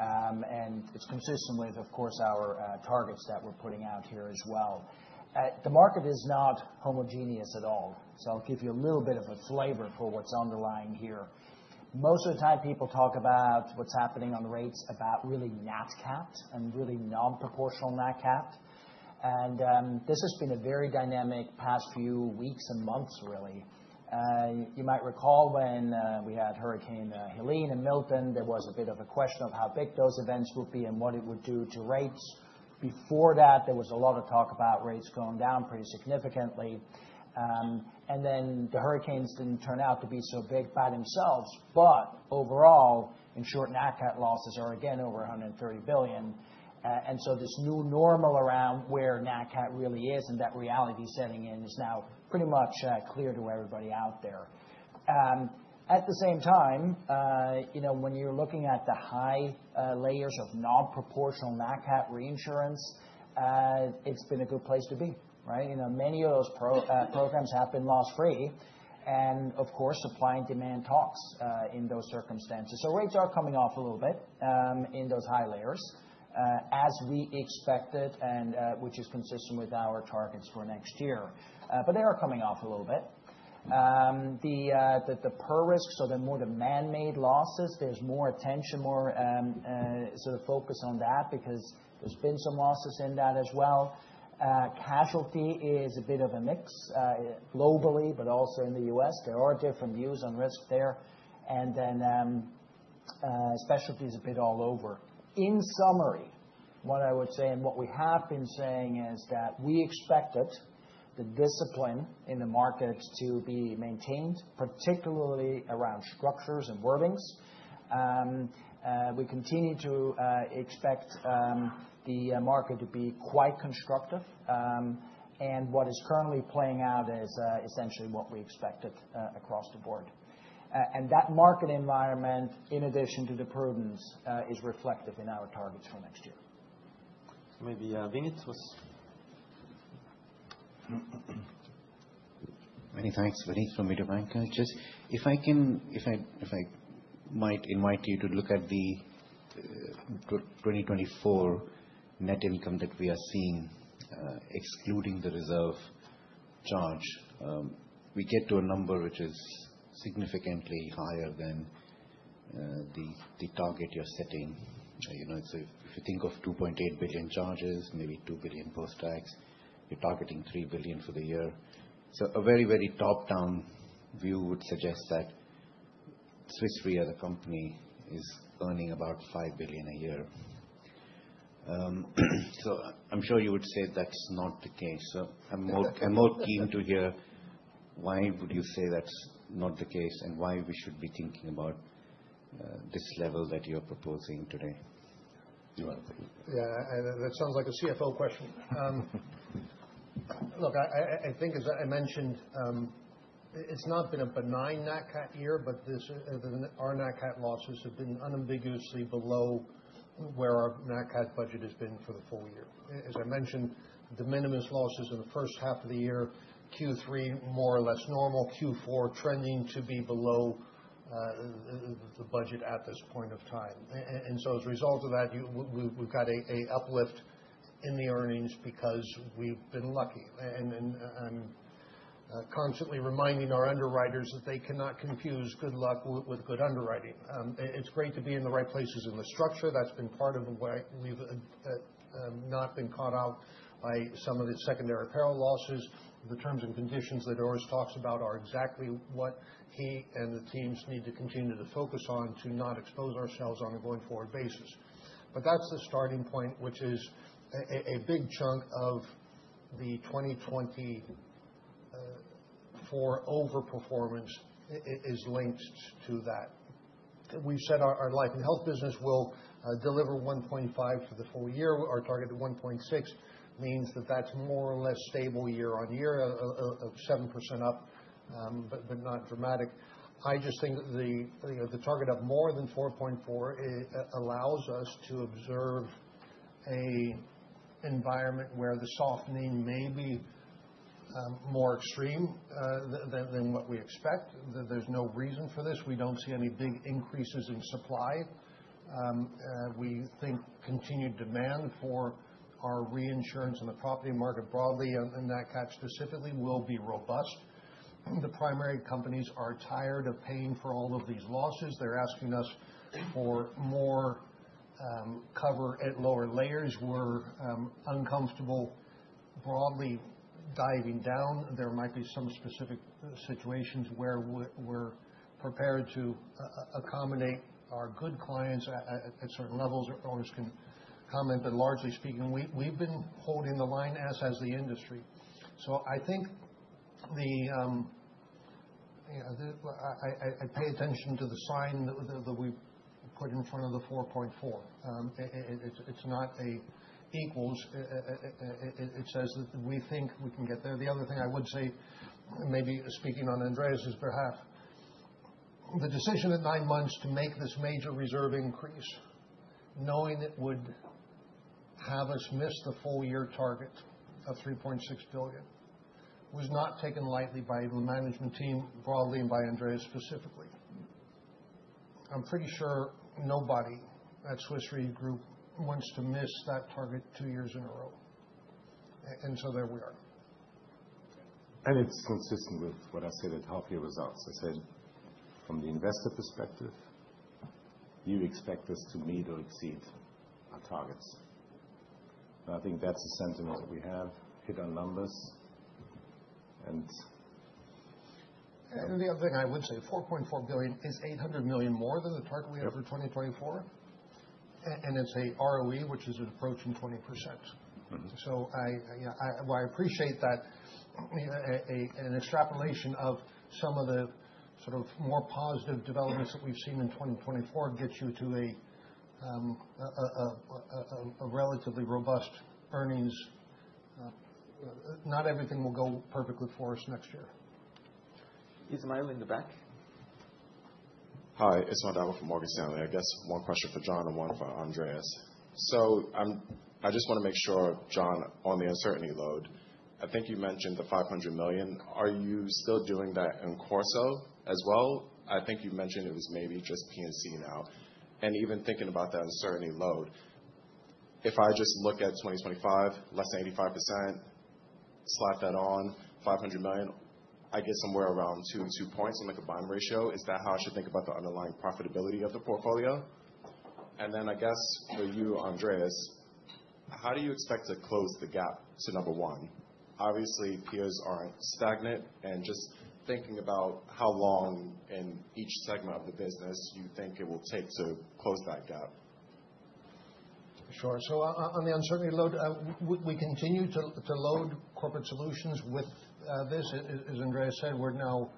and it's consistent with, of course, our targets that we're putting out here as well. The market is not homogeneous at all, so I'll give you a little bit of a flavor for what's underlying here. Most of the time, people talk about what's happening on rates about really NatCat and really non-proportional NatCat, and this has been a very dynamic past few weeks and months, really. You might recall when we had Hurricane Helene and Milton, there was a bit of a question of how big those events would be and what it would do to rates. Before that, there was a lot of talk about rates going down pretty significantly. And then the hurricanes didn't turn out to be so big by themselves, but overall, in short, NatCat losses are again over $130 billion. And so this new normal around where NatCat really is and that reality setting in is now pretty much clear to everybody out there. At the same time, when you're looking at the high layers of non-proportional NatCat reinsurance, it's been a good place to be. Many of those programs have been loss-free. And of course, supply and demand talks in those circumstances. Rates are coming off a little bit in those high layers, as we expected, and which is consistent with our targets for next year. They are coming off a little bit. The per risk, so the more the man-made losses, there's more attention, more sort of focus on that because there's been some losses in that as well. Casualty is a bit of a mix globally, but also in the U.S. There are different views on risk there. Then specialty is a bit all over. In summary, what I would say and what we have been saying is that we expected the discipline in the market to be maintained, particularly around structures and wordings. We continue to expect the market to be quite constructive. What is currently playing out is essentially what we expected across the board. That market environment, in addition to the prudence, is reflective in our targets for next year. Maybe Vinit to us. Many thanks, Vinit from Mediobanca. If I might invite you to look at the 2024 net income that we are seeing, excluding the reserve charge, we get to a number which is significantly higher than the target you're setting. So if you think of $2.8 billion charges, maybe $2 billion post-tax, you're targeting $3 billion for the year. So a very, very top-down view would suggest that Swiss Re, the company, is earning about $5 billion a year. So I'm sure you would say that's not the case. So I'm more keen to hear why would you say that's not the case and why we should be thinking about this level that you're proposing today. Yeah, and that sounds like a CFO question. Look, I think, as I mentioned, it's not been a benign NatCat year, but our NatCat losses have been unambiguously below where our NatCat budget has been for the full year. As I mentioned, the minimum losses in the first half of the year, Q3 more or less normal, Q4 trending to be below the budget at this point of time. And so as a result of that, we've got an uplift in the earnings because we've been lucky. And I'm constantly reminding our underwriters that they cannot confuse good luck with good underwriting. It's great to be in the right places in the structure. That's been part of why we've not been caught out by some of the secondary peril losses. The terms and conditions that Urs talks about are exactly what he and the teams need to continue to focus on to not expose ourselves on a going forward basis. But that's the starting point, which is a big chunk of the 2024 overperformance, is linked to that. We've said our Life & Health business will deliver 1.5 for the full year. Our target of 1.6 means that that's more or less stable year on year, 7% up, but not dramatic. I just think the target of more than 4.4 allows us to observe an environment where the softening may be more extreme than what we expect. There's no reason for this. We don't see any big increases in supply. We think continued demand for our reinsurance in the property market broadly and that cap specifically will be robust. The primary companies are tired of paying for all of these losses. They're asking us for more cover at lower layers. We're uncomfortable broadly diving down. There might be some specific situations where we're prepared to accommodate our good clients at certain levels. Urs can comment, but largely speaking, we've been holding the line as has the industry, so I think I pay attention to the sign that we put in front of the 4.4. It's not an equals. It says that we think we can get there. The other thing I would say, maybe speaking on Andreas's behalf, the decision at nine months to make this major reserve increase, knowing it would have us miss the full year target of $3.6 billion, was not taken lightly by the management team broadly and by Andreas specifically. I'm pretty sure nobody at Swiss Re Group wants to miss that target two years in a row. And so there we are. And it's consistent with what I said at half-year results. I said from the investor perspective, do you expect us to meet or exceed our targets? I think that's a sentiment that we have, hit our numbers, and. And the other thing I would say, $4.4 billion is $800 million more than the target we had for 2024. And it's an ROE, which is approaching 20%. So I appreciate that an extrapolation of some of the sort of more positive developments that we've seen in 2024 gets you to a relatively robust earnings. Not everything will go perfectly for us next year. Ismail in the back. Hi. Ismail Dabo from Morgan Stanley. I guess one question for John and one for Andreas, so I just want to make sure, John, on the uncertainty load. I think you mentioned the 500 million. Are you still doing that in CorSo as well? I think you mentioned it was maybe just P&C now, and even thinking about that uncertainty load, if I just look at 2025, less than 85%, slap that on, 500 million, I get somewhere around two and two points on the combined ratio. Is that how I should think about the underlying profitability of the portfolio? And then I guess for you, Andreas, how do you expect to close the gap to number one? Obviously, peers are stagnant, and just thinking about how long in each segment of the business you think it will take to close that gap. Sure. So on the uncertainty load, we continue to load Corporate Solutions with this. As Andreas said, we're now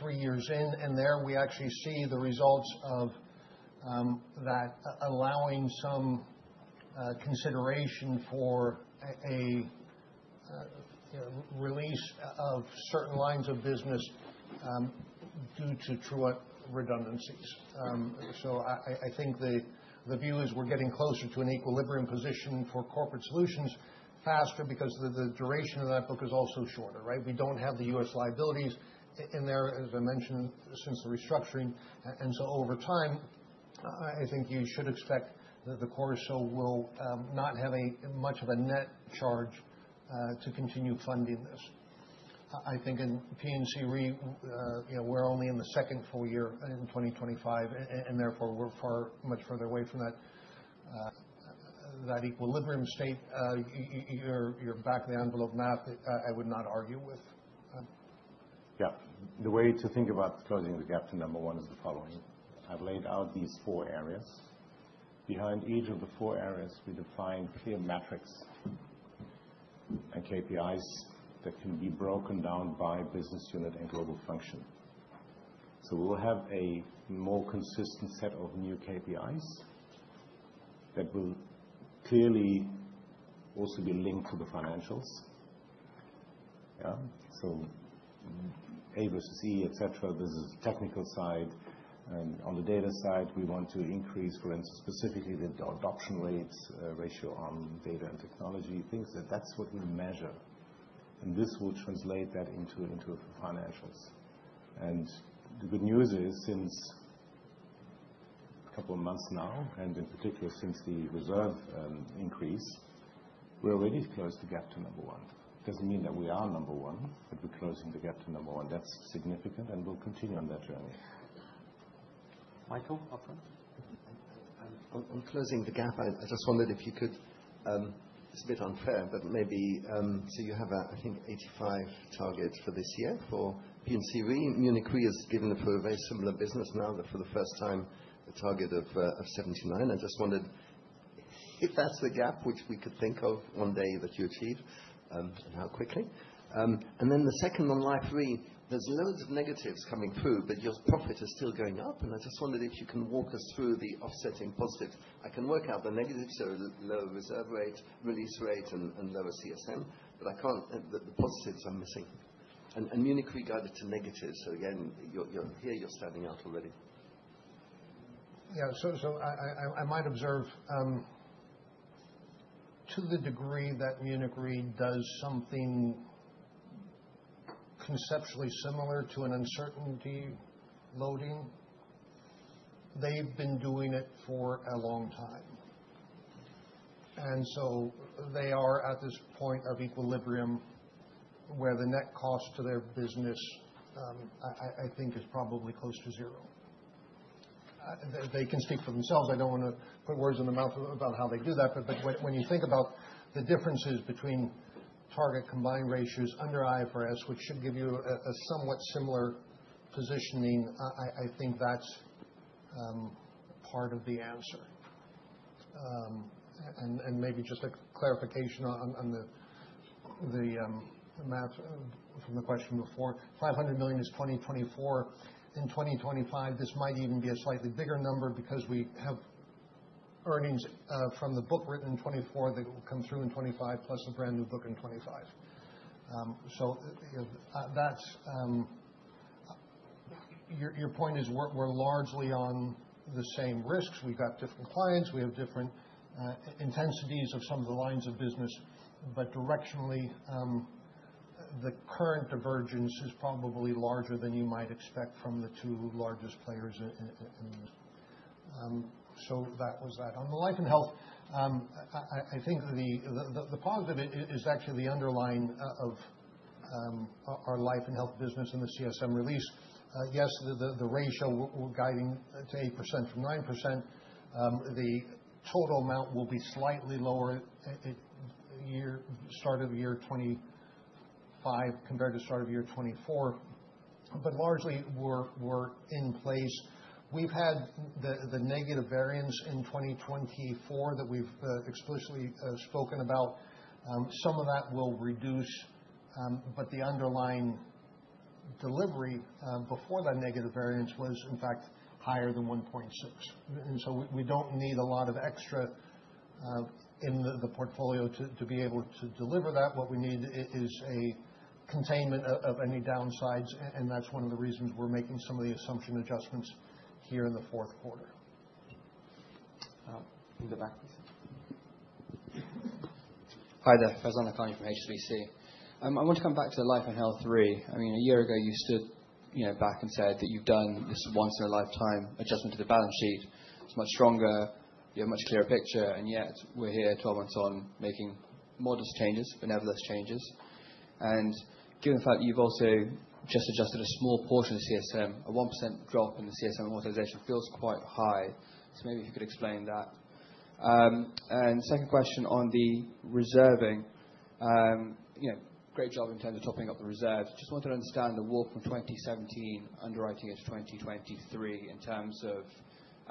three years in, and there we actually see the results of that allowing some consideration for a release of certain lines of business due to true redundancies. So I think the view is we're getting closer to an equilibrium position for Corporate Solutions faster because the duration of that book is also shorter. We don't have the U.S. liabilities in there, as I mentioned, since the restructuring. And so over time, I think you should expect that the CorSo will not have much of a net charge to continue funding this. I think in P&C, we're only in the second full year in 2025, and therefore we're far much further away from that equilibrium state. Your back-of-the-envelope math, I would not argue with. Yeah. The way to think about closing the gap to number one is the following. I've laid out these four areas. Behind each of the four areas, we define clear metrics and KPIs that can be broken down by business unit and global function. So we will have a more consistent set of new KPIs that will clearly also be linked to the financials. So A versus E, et cetera. This is the technical side. On the data side, we want to increase, for instance, specifically the adoption rates ratio on data and technology, things that that's what we measure. And this will translate that into financials. And the good news is, since a couple of months now, and in particular since the reserve increase, we're already close to gap to number one. It doesn't mean that we are number one, but we're closing the gap to number one. That's significant, and we'll continue on that journey. Michael, up front. On closing the gap, I just wondered if you could. It's a bit unfair, but maybe so you have, I think, 85 targets for this year for P&C Re. Munich Re has given for a very similar business now that for the first time, a target of 79. I just wondered if that's the gap which we could think of one day that you achieve and how quickly. Then the second on Life Re, there's loads of negatives coming through, but your profit is still going up. I just wondered if you can walk us through the offsetting positives. I can work out the negatives, so lower reserve rate, release rate, and lower CSM, but I can't, the positives are missing. Munich Re guided to negatives. So again, here you're standing out already. Yeah. So I might observe to the degree that Munich Re does something conceptually similar to an uncertainty loading, they've been doing it for a long time. And so they are at this point of equilibrium where the net cost to their business, I think, is probably close to zero. They can speak for themselves. I don't want to put words in their mouth about how they do that. But when you think about the differences between target combined ratios under IFRS, which should give you a somewhat similar positioning, I think that's part of the answer. And maybe just a clarification on the math from the question before. $500 million is 2024. In 2025, this might even be a slightly bigger number because we have earnings from the book written in 2024 that will come through in 2025, plus a brand new book in 2025. So your point is we're largely on the same risks. We've got different clients. We have different intensities of some of the lines of business. But directionally, the current divergence is probably larger than you might expect from the two largest players in. So that was that. On the Life & Health, I think the positive is actually the underlying of our Life & Health business and the CSM release. Yes, the ratio we're guiding to 8% from 9%. The total amount will be slightly lower at start of year 2025 compared to start of year 2024. But largely, we're in place. We've had the negative variance in 2024 that we've explicitly spoken about. Some of that will reduce, but the underlying delivery before that negative variance was, in fact, higher than 1.6. And so we don't need a lot of extra in the portfolio to be able to deliver that. What we need is a containment of any downsides. And that's one of the reasons we're making some of the assumption adjustments here in the fourth quarter. In the back, please. Hi, there. Faizan Lakhani from HSBC. I want to come back to Life & Health Re. I mean, a year ago, you stood back and said that you've done this once-in-a-lifetime adjustment to the balance sheet. It's much stronger. You have a much clearer picture. And yet, we're here 12 months on making modest changes, but nevertheless changes. And given the fact that you've also just adjusted a small portion of CSM, a 1% drop in the CSM authorization feels quite high. So maybe if you could explain that. And second question on the reserving. Great job in terms of topping up the reserves. Just wanted to understand the warp from 2017 underwriting into 2023 in terms of,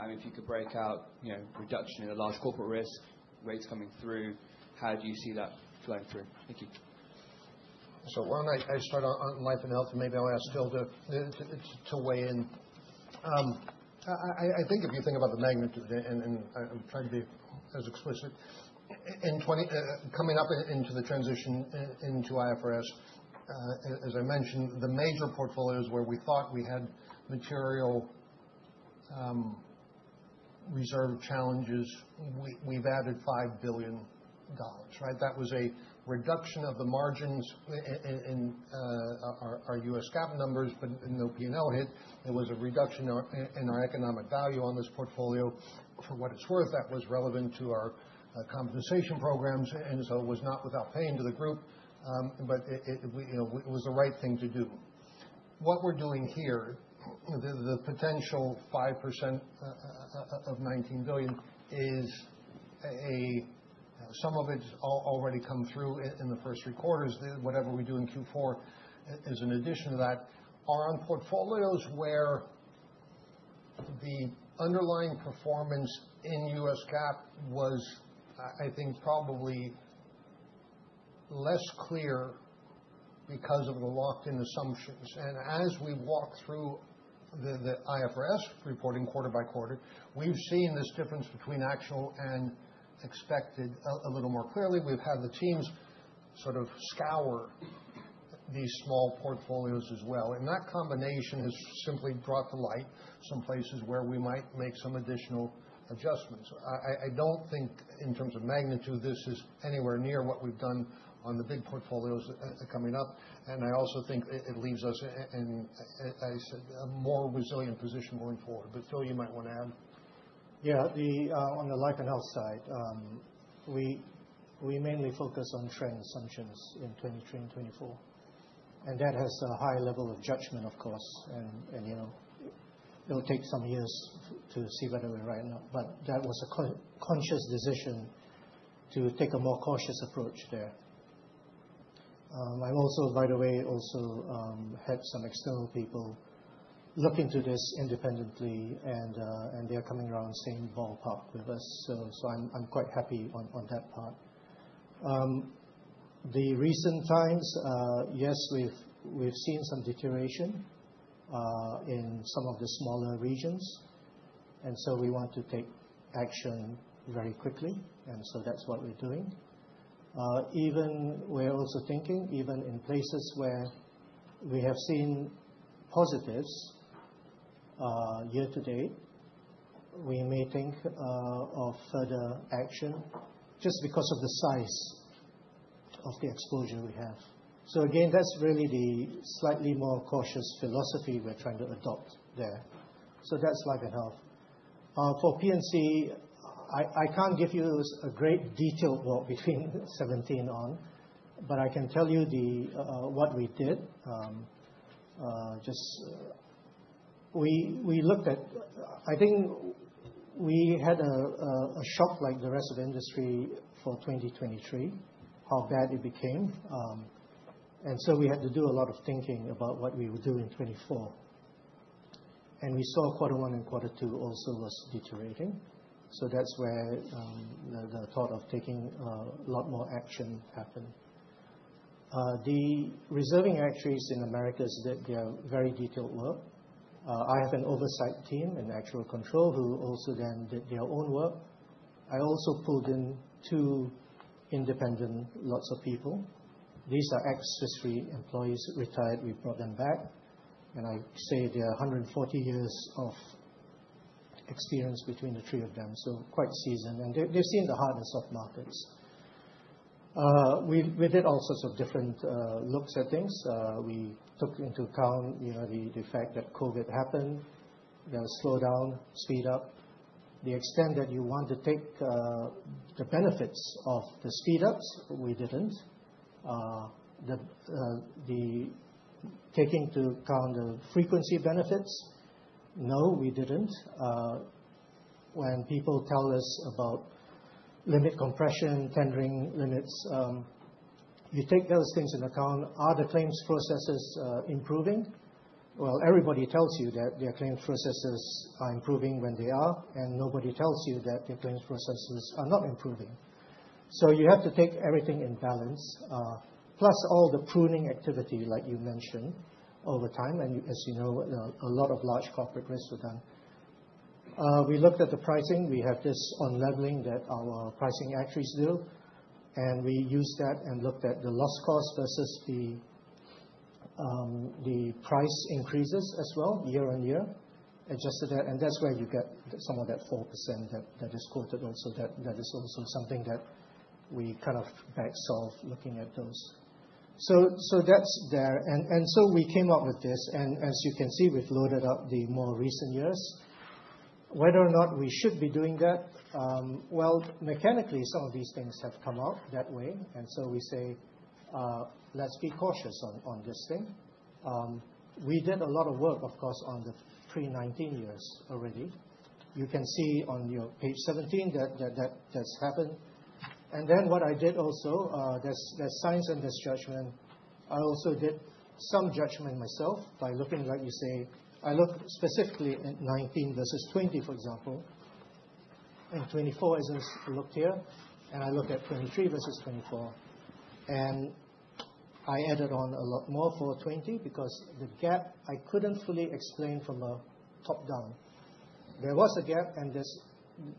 if you could break out reduction in the large corporate risk, rates coming through, how do you see that flowing through? Thank you. On Life & Health, maybe I'll ask Phil to weigh in. I think if you think about the magnitude, and I'm trying to be as explicit, coming up into the transition into IFRS, as I mentioned, the major portfolios where we thought we had material reserve challenges, we've added $5 billion. That was a reduction of the margins in our U.S. GAAP numbers, but no P&L hit. There was a reduction in our economic value on this portfolio. For what it's worth, that was relevant to our compensation programs. And so it was not without paying to the group, but it was the right thing to do. What we're doing here, the potential 5% of $19 billion is some of it has already come through in the first three quarters. Whatever we do in Q4 is an addition to that. Our own portfolios where the underlying performance in U.S. GAAP was, I think, probably less clear because of the locked-in assumptions, and as we walk through the IFRS reporting quarter by quarter, we've seen this difference between actual and expected a little more clearly. We've had the teams sort of scour these small portfolios as well, and that combination has simply brought to light some places where we might make some additional adjustments. I don't think in terms of magnitude, this is anywhere near what we've done on the big portfolios coming up, and I also think it leaves us in a more resilient position going forward, but Phil, you might want to add. Yeah. On the Life & Health side, we mainly focus on trends, some trends in 2023 and 2024. And that has a high level of judgment, of course. And it'll take some years to see whether we're right or not. But that was a conscious decision to take a more cautious approach there. I've also, by the way, also had some external people look into this independently, and they're coming around same ballpark with us. So I'm quite happy on that part. In recent times, yes, we've seen some deterioration in some of the smaller regions. And so we want to take action very quickly. And so that's what we're doing. We're also thinking even in places where we have seen positives year to date, we may think of further action just because of the size of the exposure we have. So again, that's really the slightly more cautious philosophy we're trying to adopt there. So that's Life & Health. For P&C, I can't give you a great detailed walk between 2017 on, but I can tell you what we did. Just we looked at, I think we had a shock like the rest of the industry for 2023, how bad it became. And so we had to do a lot of thinking about what we would do in 2024. And we saw quarter one and quarter two also was deteriorating. So that's where the thought of taking a lot more action happened. The reserving actuaries in America did their very detailed work. I have an oversight team and actuarial control who also then did their own work. I also pulled in two independent lots of people. These are ex-Swiss Re employees, retired. We brought them back. I say there are 140 years of experience between the three of them. So quite seasoned. They've seen the hard and soft markets. We did all sorts of different looks at things. We took into account the fact that COVID happened. There was slowdown, speed up. The extent that you want to take the benefits of the speed ups, we didn't. The taking to account the frequency benefits, no, we didn't. When people tell us about limit compression, tendering limits, you take those things into account. Are the claims processes improving? Well, everybody tells you that their claims processes are improving when they are, and nobody tells you that their claims processes are not improving. So you have to take everything in balance, plus all the pruning activity like you mentioned over time. As you know, a lot of large corporate risks were done. We looked at the pricing. We have this on leveling that our pricing actuaries do. We used that and looked at the loss cost versus the price increases as well, year on year, adjusted that. That's where you get some of that 4% that is quoted also. That is also something that we kind of back solve looking at those. That's there. We came up with this. As you can see, we've loaded up the more recent years. Whether or not we should be doing that, well, mechanically, some of these things have come out that way. We say, let's be cautious on this thing. We did a lot of work, of course, on the pre-19 years already. You can see on page 17 that's happened. Then what I did also, there's science and there's judgment. I also did some judgment myself by looking, like you say. I looked specifically at 2019 versus 2020, for example, and 2024 isn't looked here, and I looked at 2023 versus 2024, and I added on a lot more for 2020 because the gap, I couldn't fully explain from a top down. There was a gap, and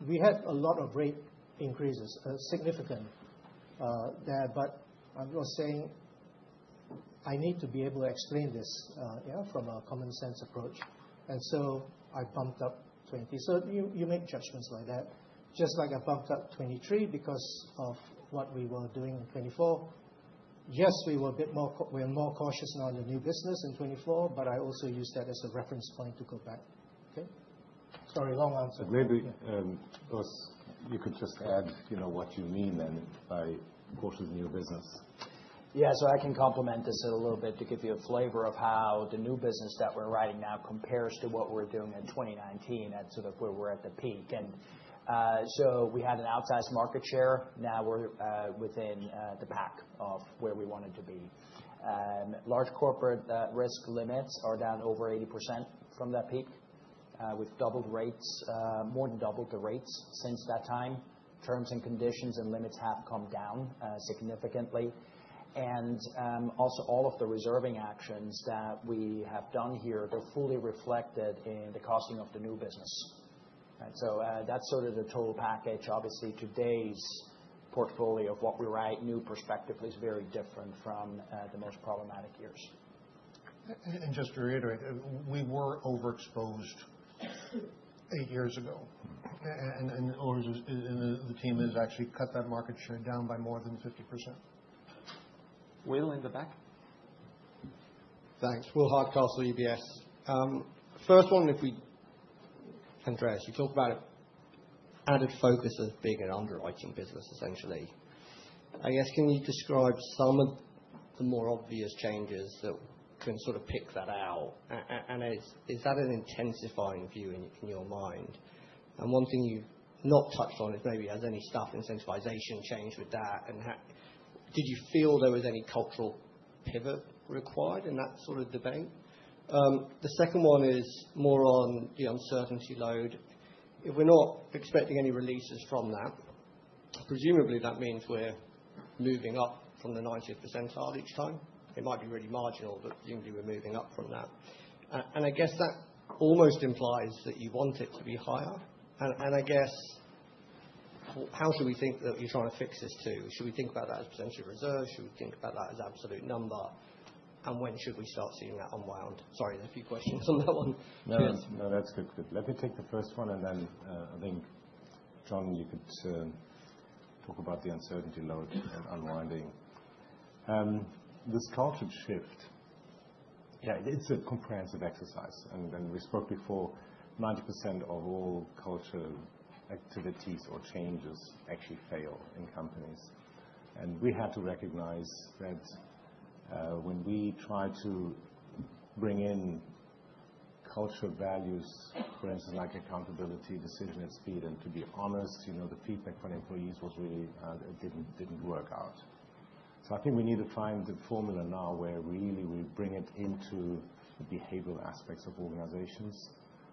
we had a lot of rate increases, significant there. But I was saying, I need to be able to explain this from a common sense approach, and so I bumped up 2020. So you make judgments like that. Just like I bumped up 2023 because of what we were doing in 2024. Yes, we were a bit more cautious now in the new business in 2024, but I also used that as a reference point to go back. Okay? Sorry, long answer. Maybe you could just add what you mean then by cautious new business? Yeah, so I can complement this a little bit to give you a flavor of how the new business that we're writing now compares to what we're doing in 2019 at sort of where we're at the peak, and so we had an outsized market share. Now we're within the pack of where we wanted to be. Large corporate risk limits are down over 80% from that peak. We've doubled rates, more than doubled the rates since that time. Terms and conditions and limits have come down significantly, and also all of the reserving actions that we have done here, they're fully reflected in the costing of the new business, and so that's sort of the total package. Obviously, today's portfolio of what we write. New perspective is very different from the most problematic years. Just to reiterate, we were overexposed eight years ago. The team has actually cut that market share down by more than 50%. Will in the back. Thanks. Will Hardcastle, UBS. First one, if we can address. You talked about added focus as being an underwriting business, essentially. I guess, can you describe some of the more obvious changes that can sort of pick that out? And is that an intensifying view in your mind? And one thing you've not touched on is maybe has any staff incentivization changed with that? And did you feel there was any cultural pivot required in that sort of debate? The second one is more on the uncertainty load. If we're not expecting any releases from that, presumably that means we're moving up from the 90th percentile each time. It might be really marginal, but presumably we're moving up from that. And I guess that almost implies that you want it to be higher. I guess, how should we think that you're trying to fix this too? Should we think about that as potentially reserved? Should we think about that as absolute number? And when should we start seeing that unwound? Sorry, there's a few questions on that one. No, that's good. Let me take the first one. And then I think, John, you could talk about the uncertainty load and unwinding. This culture shift, yeah, it's a comprehensive exercise. And we spoke before, 90% of all culture activities or changes actually fail in companies. And we had to recognize that when we try to bring in culture values, for instance, like accountability, decision speed, and to be honest, the feedback from employees didn't work out. So I think we need to find the formula now where really we bring it into the behavioral aspects of organizations,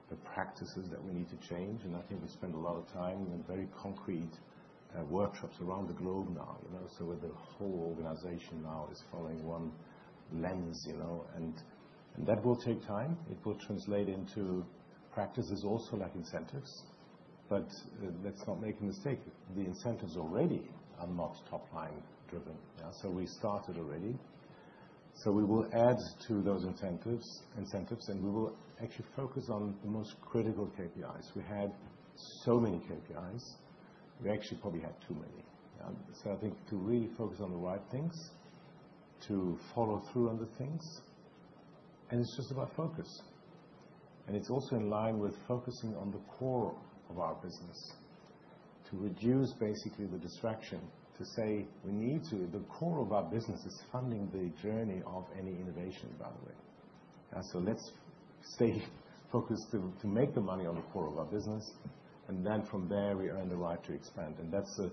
the practices that we need to change. And I think we spend a lot of time in very concrete workshops around the globe now. So the whole organization now is following one lens. And that will take time. It will translate into practices also like incentives. But let's not make a mistake. The incentives already are not top-line driven, so we started already. We will add to those incentives, and we will actually focus on the most critical KPIs. We had so many KPIs. We actually probably had too many. I think to really focus on the right things, to follow through on the things, and it's just about focus. It's also in line with focusing on the core of our business to reduce basically the distraction to say we need to. The core of our business is funding the journey of any innovation, by the way, so let's stay focused to make the money on the core of our business. Then from there, we earn the right to expand. That's the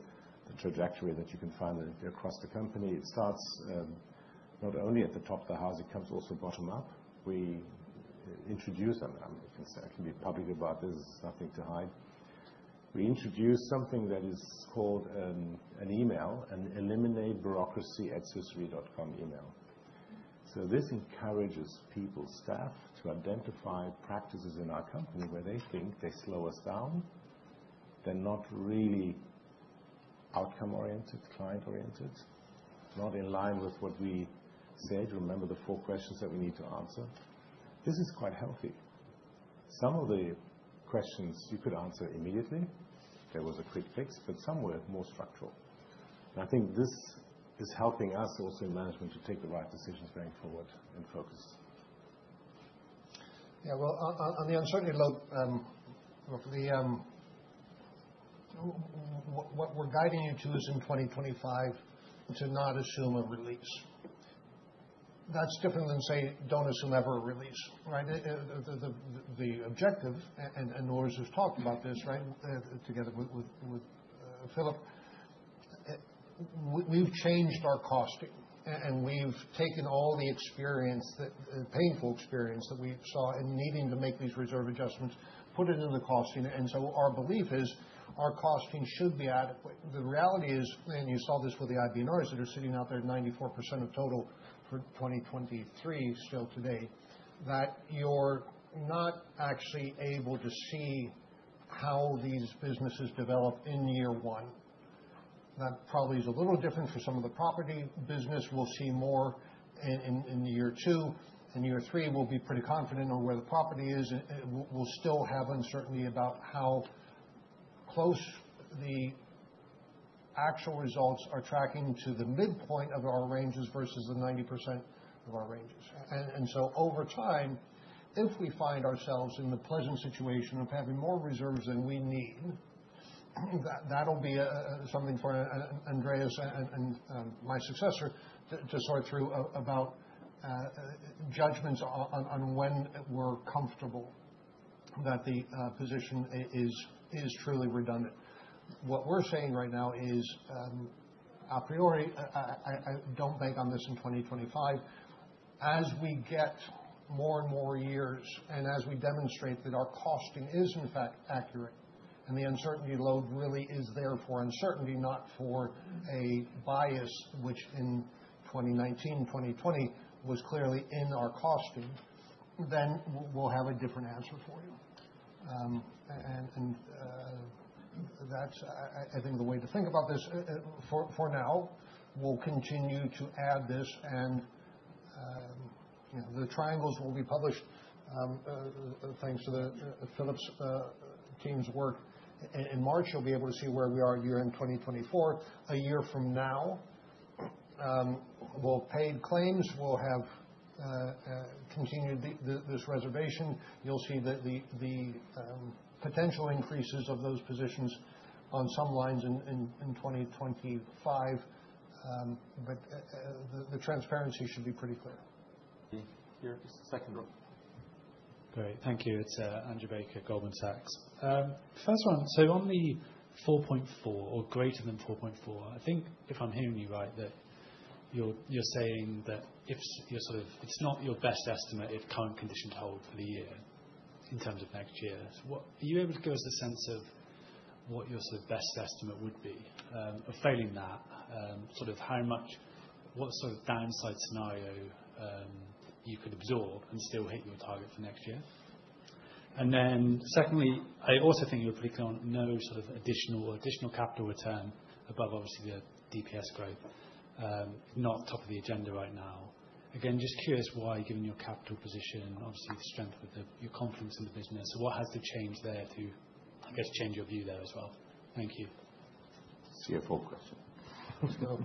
trajectory that you can find across the company. It starts not only at the top of the house, it comes also bottom up. We introduce. I can be public about this. It's nothing to hide. We introduce something that is called an email, an eliminate-bureaucracy@swissre.com email. So this encourages people, staff to identify practices in our company where they think they slow us down. They're not really outcome-oriented, client-oriented, not in line with what we said. Remember the four questions that we need to answer. This is quite healthy. Some of the questions you could answer immediately. There was a quick fix, but some were more structural. And I think this is helping us also in management to take the right decisions going forward and focus. Yeah. Well, on the uncertainty load, what we're guiding you to is in 2025 to not assume a release. That's different than, say, don't assume ever a release, right? The objective, and Urs has just talked about this, right, together with Philip, we've changed our costing, and we've taken all the experience, the painful experience that we saw in needing to make these reserve adjustments, put it in the costing. And so our belief is our costing should be adequate. The reality is, and you saw this with the IBNRs that are sitting out there, 94% of total for 2023 still today, that you're not actually able to see how these businesses develop in year one. That probably is a little different for some of the property business. We'll see more in year two. In year three, we'll be pretty confident on where the property is. We'll still have uncertainty about how close the actual results are tracking to the midpoint of our ranges versus the 90% of our ranges. And so over time, if we find ourselves in the pleasant situation of having more reserves than we need, that'll be something for Andreas and my successor to sort through about judgments on when we're comfortable that the position is truly redundant. What we're saying right now is a priori, I don't bank on this in 2025. As we get more and more years and as we demonstrate that our costing is, in fact, accurate, and the uncertainty load really is there for uncertainty, not for a bias, which in 2019, 2020 was clearly in our costing, then we'll have a different answer for you. And that's, I think, the way to think about this. For now, we'll continue to add this, and the triangles will be published thanks to Philip's team's work. In March, you'll be able to see where we are year in 2024. A year from now, well, paid claims will have continued this reservation. You'll see the potential increases of those positions on some lines in 2025. But the transparency should be pretty clear. The second row. Great. Thank you. It's Andrew Baker, Goldman Sachs. First one. So on the 4.4 or greater than 4.4, I think if I'm hearing you right, that you're saying that if you're sort of it's not your best estimate of current condition to hold for the year in terms of next year. Are you able to give us a sense of what your sort of best estimate would be of failing that? Sort of how much, what sort of downside scenario you could absorb and still hit your target for next year? And then secondly, I also think you're pretty clear on no sort of additional capital return above, obviously, the DPS growth. Not top of the agenda right now. Again, just curious why, given your capital position, obviously, the strength of your confidence in the business. So what has to change there to, I guess, change your view there as well? Thank you. See question four.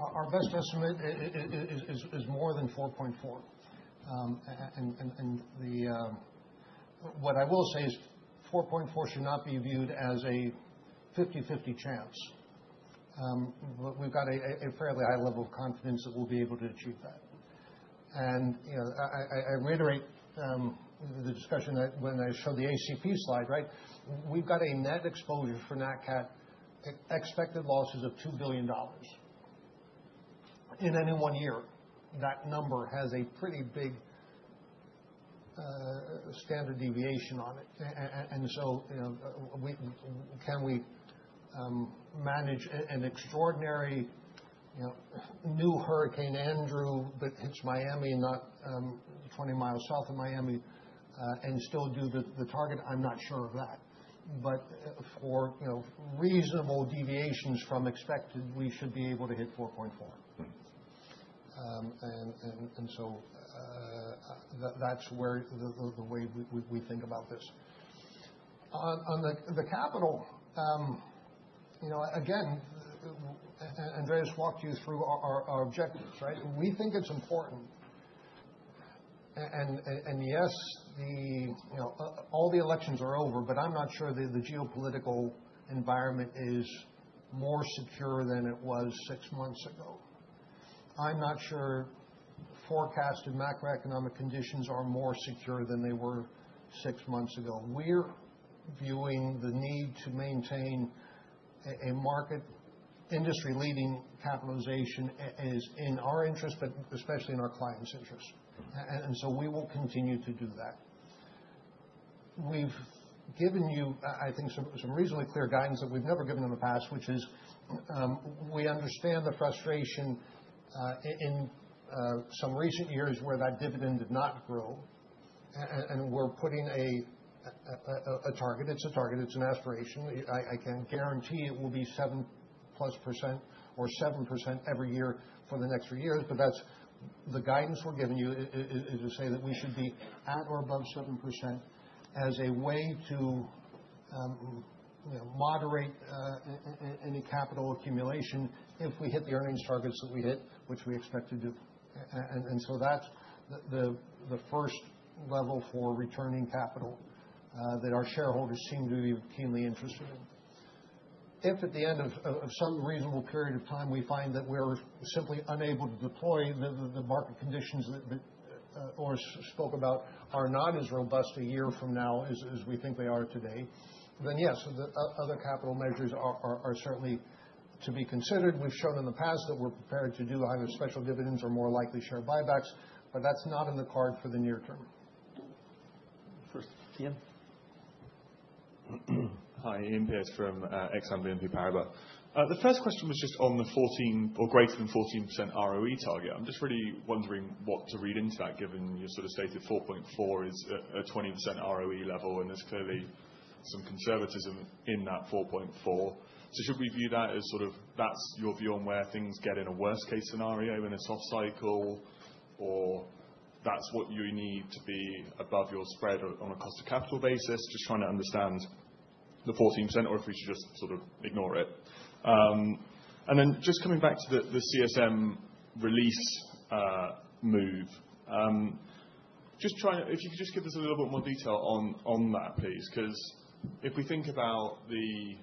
Our best estimate is more than 4.4. And what I will say is 4.4 should not be viewed as a 50/50 chance. But we've got a fairly high level of confidence that we'll be able to achieve that. And I reiterate the discussion that when I showed the ACP slide, right? We've got a net exposure for NatCat expected losses of $2 billion in any one year. That number has a pretty big standard deviation on it. And so can we manage an extraordinary new Hurricane Andrew that hits Miami, not 20 miles south of Miami, and still do the target? I'm not sure of that. But for reasonable deviations from expected, we should be able to hit 4.4. And so that's the way we think about this. On the capital, again, Andreas walked you through our objectives, right? We think it's important. Yes, all the elections are over, but I'm not sure the geopolitical environment is more secure than it was six months ago. I'm not sure forecasted macroeconomic conditions are more secure than they were six months ago. We're viewing the need to maintain a market industry-leading capitalization is in our interest, but especially in our client's interest. So we will continue to do that. We've given you, I think, some reasonably clear guidance that we've never given in the past, which is we understand the frustration in some recent years where that dividend did not grow. We're putting a target. It's a target. It's an aspiration. I can guarantee it will be 7% plus or 7% every year for the next three years. That's the guidance we're giving you, which is to say that we should be at or above 7% as a way to moderate any capital accumulation if we hit the earnings targets that we hit, which we expect to do. That's the first level for returning capital that our shareholders seem to be keenly interested in. If at the end of some reasonable period of time, we find that we're simply unable to deploy the market conditions that—or spoke about are not as robust a year from now as we think they are today, then yes, other capital measures are certainly to be considered. We've shown in the past that we're prepared to do either special dividends or, more likely, share buybacks, but that's not in the cards for the near term. First, Iain. Hi, Iain Pearce from Exane BNP Paribas. The first question was just on the 14% or greater than 14% ROE target. I'm just really wondering what to read into that, given your sort of stated 4.4 is a 20% ROE level, and there's clearly some conservatism in that 4.4. So should we view that as sort of that's your view on where things get in a worst-case scenario in a soft cycle, or that's what you need to be above your spread on a cost of capital basis, just trying to understand the 14%, or if we should just sort of ignore it? And then just coming back to the CSM release move, just trying to if you could just give us a little bit more detail on that, please, because if we think about the,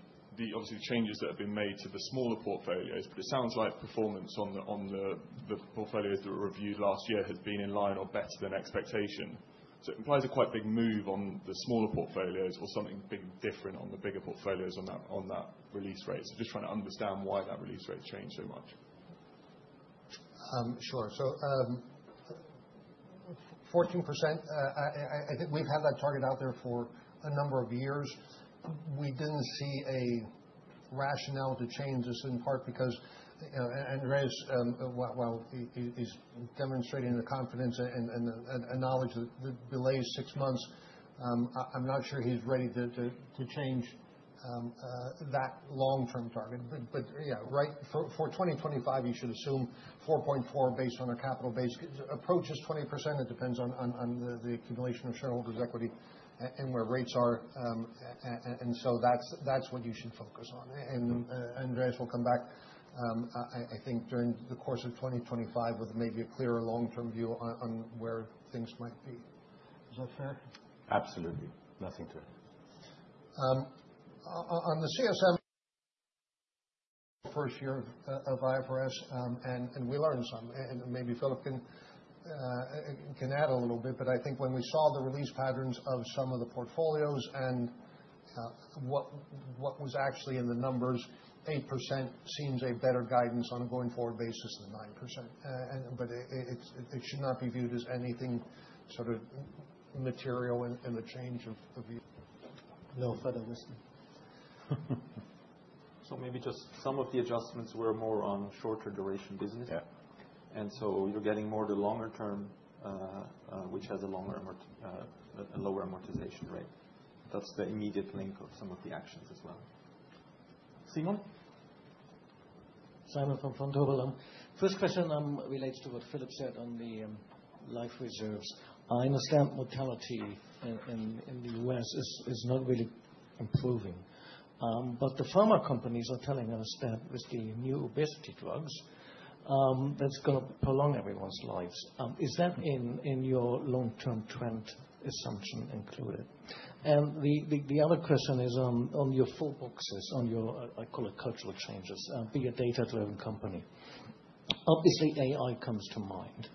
obviously, the changes that have been made to the smaller portfolios, but it sounds like performance on the portfolios that were reviewed last year has been in line or better than expectation. So it implies a quite big move on the smaller portfolios or something big different on the bigger portfolios on that release rate. So just trying to understand why that release rate changed so much. Sure. So 14%, I think we've had that target out there for a number of years. We didn't see a rationale to change this in part because Andreas, while he's demonstrating the confidence and knowledge that delays six months, I'm not sure he's ready to change that long-term target. But yeah, right for 2025, you should assume 4.4 based on our capital-based approach is 20%. It depends on the accumulation of shareholders' equity and where rates are, and so that's what you should focus on, and Andreas will come back, I think, during the course of 2025 with maybe a clearer long-term view on where things might be. Is that fair? Absolutely. Nothing to it. On the CSM, first year of IFRS, and we learned some. And maybe Philip can add a little bit. But I think when we saw the release patterns of some of the portfolios and what was actually in the numbers, 8% seems a better guidance on a going-forward basis than 9%. But it should not be viewed as anything sort of material in the change of. No further question. So maybe just some of the adjustments were more on shorter duration business. Yeah. You're getting more of the longer term, which has a lower amortization rate. That's the immediate link of some of the actions as well. Simon. Simon from Vontobel. First question relates to what Philip said on the life reserves. I understand mortality in the U.S. is not really improving. But the pharma companies are telling us that with the new obesity drugs, that's going to prolong everyone's lives. Is that in your long-term trend assumption included? And the other question is on your four boxes, on your, I call it cultural changes, be a data-driven company. Obviously, AI comes to mind.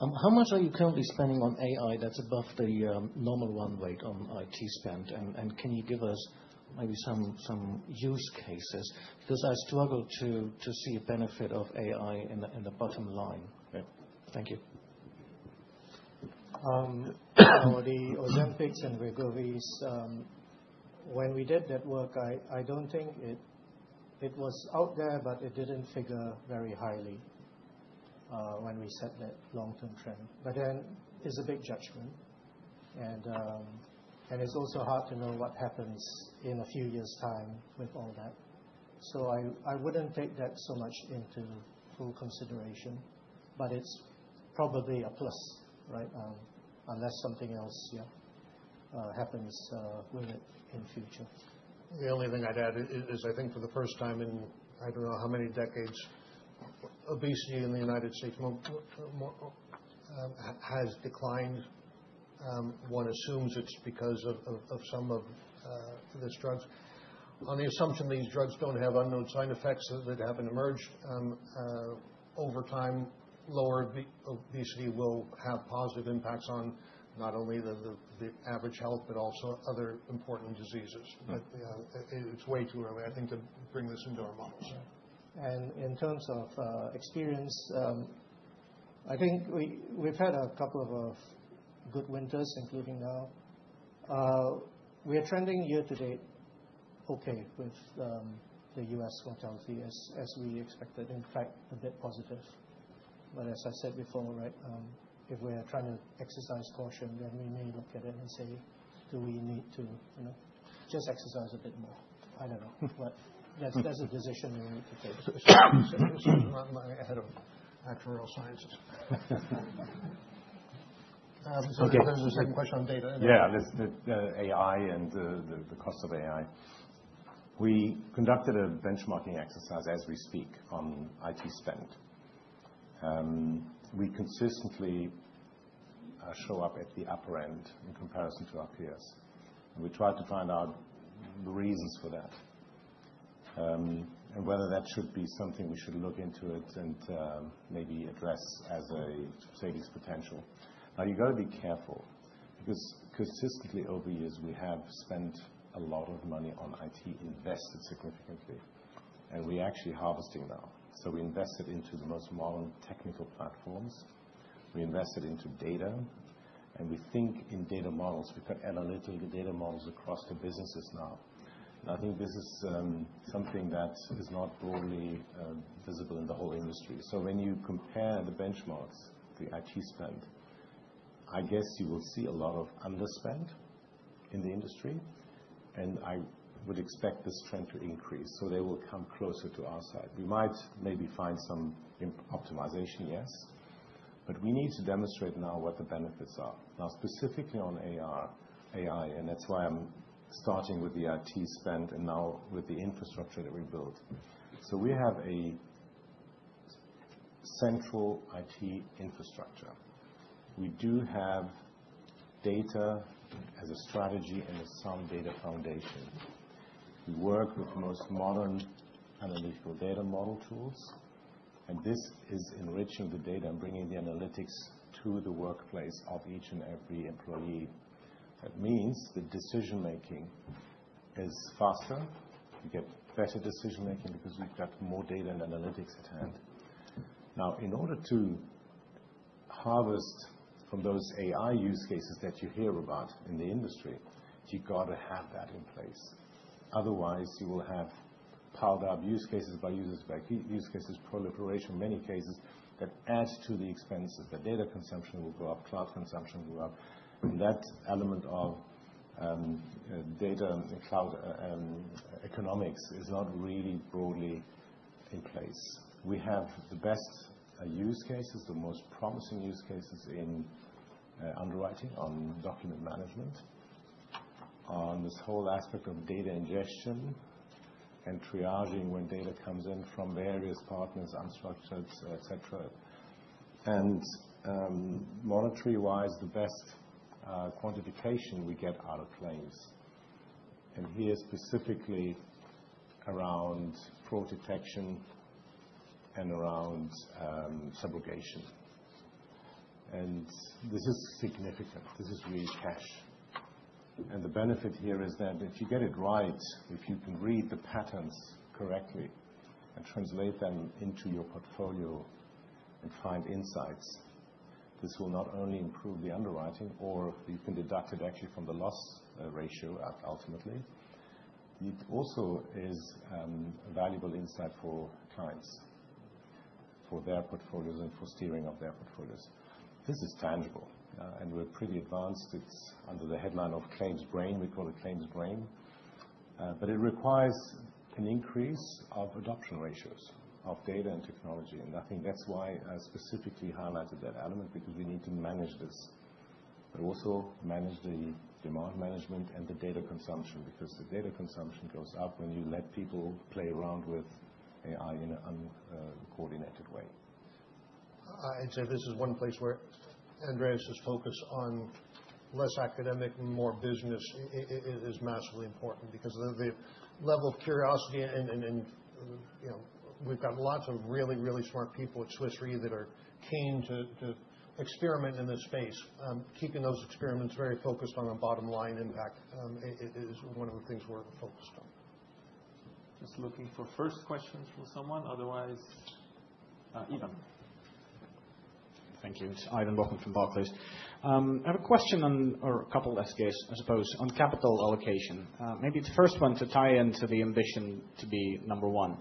How much are you currently spending on AI that's above the normal run rate on IT spend? And can you give us maybe some use cases? Because I struggle to see a benefit of AI in the bottom line. Thank you. For the Ozempics and Wegovys, when we did that work, I don't think it was out there, but it didn't figure very highly when we set that long-term trend. But then it's a big judgment. And it's also hard to know what happens in a few years' time with all that. So I wouldn't take that so much into full consideration, but it's probably a plus, right? Unless something else, yeah, happens with it in the future. The only thing I'd add is I think for the first time in I don't know how many decades, obesity in the United States has declined. One assumes it's because of some of these drugs. On the assumption these drugs don't have unknown side effects that haven't emerged over time, lower obesity will have positive impacts on not only the average health, but also other important diseases. But it's way too early, I think, to bring this into our models. And in terms of experience, I think we've had a couple of good winters, including now. We are trending year to date okay with the U.S. mortality as we expected, in fact, a bit positive. But as I said before, right, if we're trying to exercise caution, then we may look at it and say, do we need to just exercise a bit more? I don't know. But that's a decision we need to take decision. I'm not an actual real scientist. Okay. There's a second question on data. Yeah, the AI and the cost of AI. We conducted a benchmarking exercise as we speak on IT spend. We consistently show up at the upper end in comparison to our peers. And we tried to find out the reasons for that and whether that should be something we should look into and maybe address as a savings potential. Now, you've got to be careful because consistently over the years, we have spent a lot of money on IT, invested significantly. And we're actually harvesting now. So we invested into the most modern technical platforms. We invested into data. And we think in data models. We've got analytical data models across the businesses now. And I think this is something that is not broadly visible in the whole industry. So when you compare the benchmarks, the IT spend, I guess you will see a lot of underspend in the industry. And I would expect this trend to increase. So they will come closer to our side. We might maybe find some optimization, yes. But we need to demonstrate now what the benefits are. Now, specifically on AI, and that's why I'm starting with the IT spend and now with the infrastructure that we built. So we have a central IT infrastructure. We do have data as a strategy and a sound data foundation. We work with the most modern analytical data model tools. And this is enriching the data and bringing the analytics to the workplace of each and every employee. That means the decision-making is faster. We get better decision-making because we've got more data and analytics at hand. Now, in order to harvest from those AI use cases that you hear about in the industry, you've got to have that in place. Otherwise, you will have piled-up use cases by users by use cases proliferation in many cases that adds to the expenses. The data consumption will go up, cloud consumption will go up. And that element of data and cloud economics is not really broadly in place. We have the best use cases, the most promising use cases in underwriting, on document management, on this whole aspect of data ingestion and triaging when data comes in from various partners, unstructured, etc. And monetary-wise, the best quantification we get out of claims. And here specifically around fraud detection and around subrogation. And this is significant. This is really cash. The benefit here is that if you get it right, if you can read the patterns correctly and translate them into your portfolio and find insights, this will not only improve the underwriting or you can deduct it actually from the loss ratio ultimately. It also is a valuable insight for clients, for their portfolios and for steering of their portfolios. This is tangible. We're pretty advanced. It's under the headline of Claims Brain. We call it Claims Brain. It requires an increase of adoption ratios of data and technology. I think that's why I specifically highlighted that element because we need to manage this, but also manage the demand management and the data consumption because the data consumption goes up when you let people play around with AI in a coordinated way. I'd say this is one place where Andreas's focus on less academic and more business is massively important because the level of curiosity and we've got lots of really, really smart people at Swiss Re that are keen to experiment in this space. Keeping those experiments very focused on a bottom line impact is one of the things we're focused on. Just looking for first question from someone, otherwise, Ivan. Thank you. It's Ivan Bokhmat from Barclays. I have a question on or a couple of these cases, I suppose, on capital allocation. Maybe it's the first one to tie into the ambition to be number one.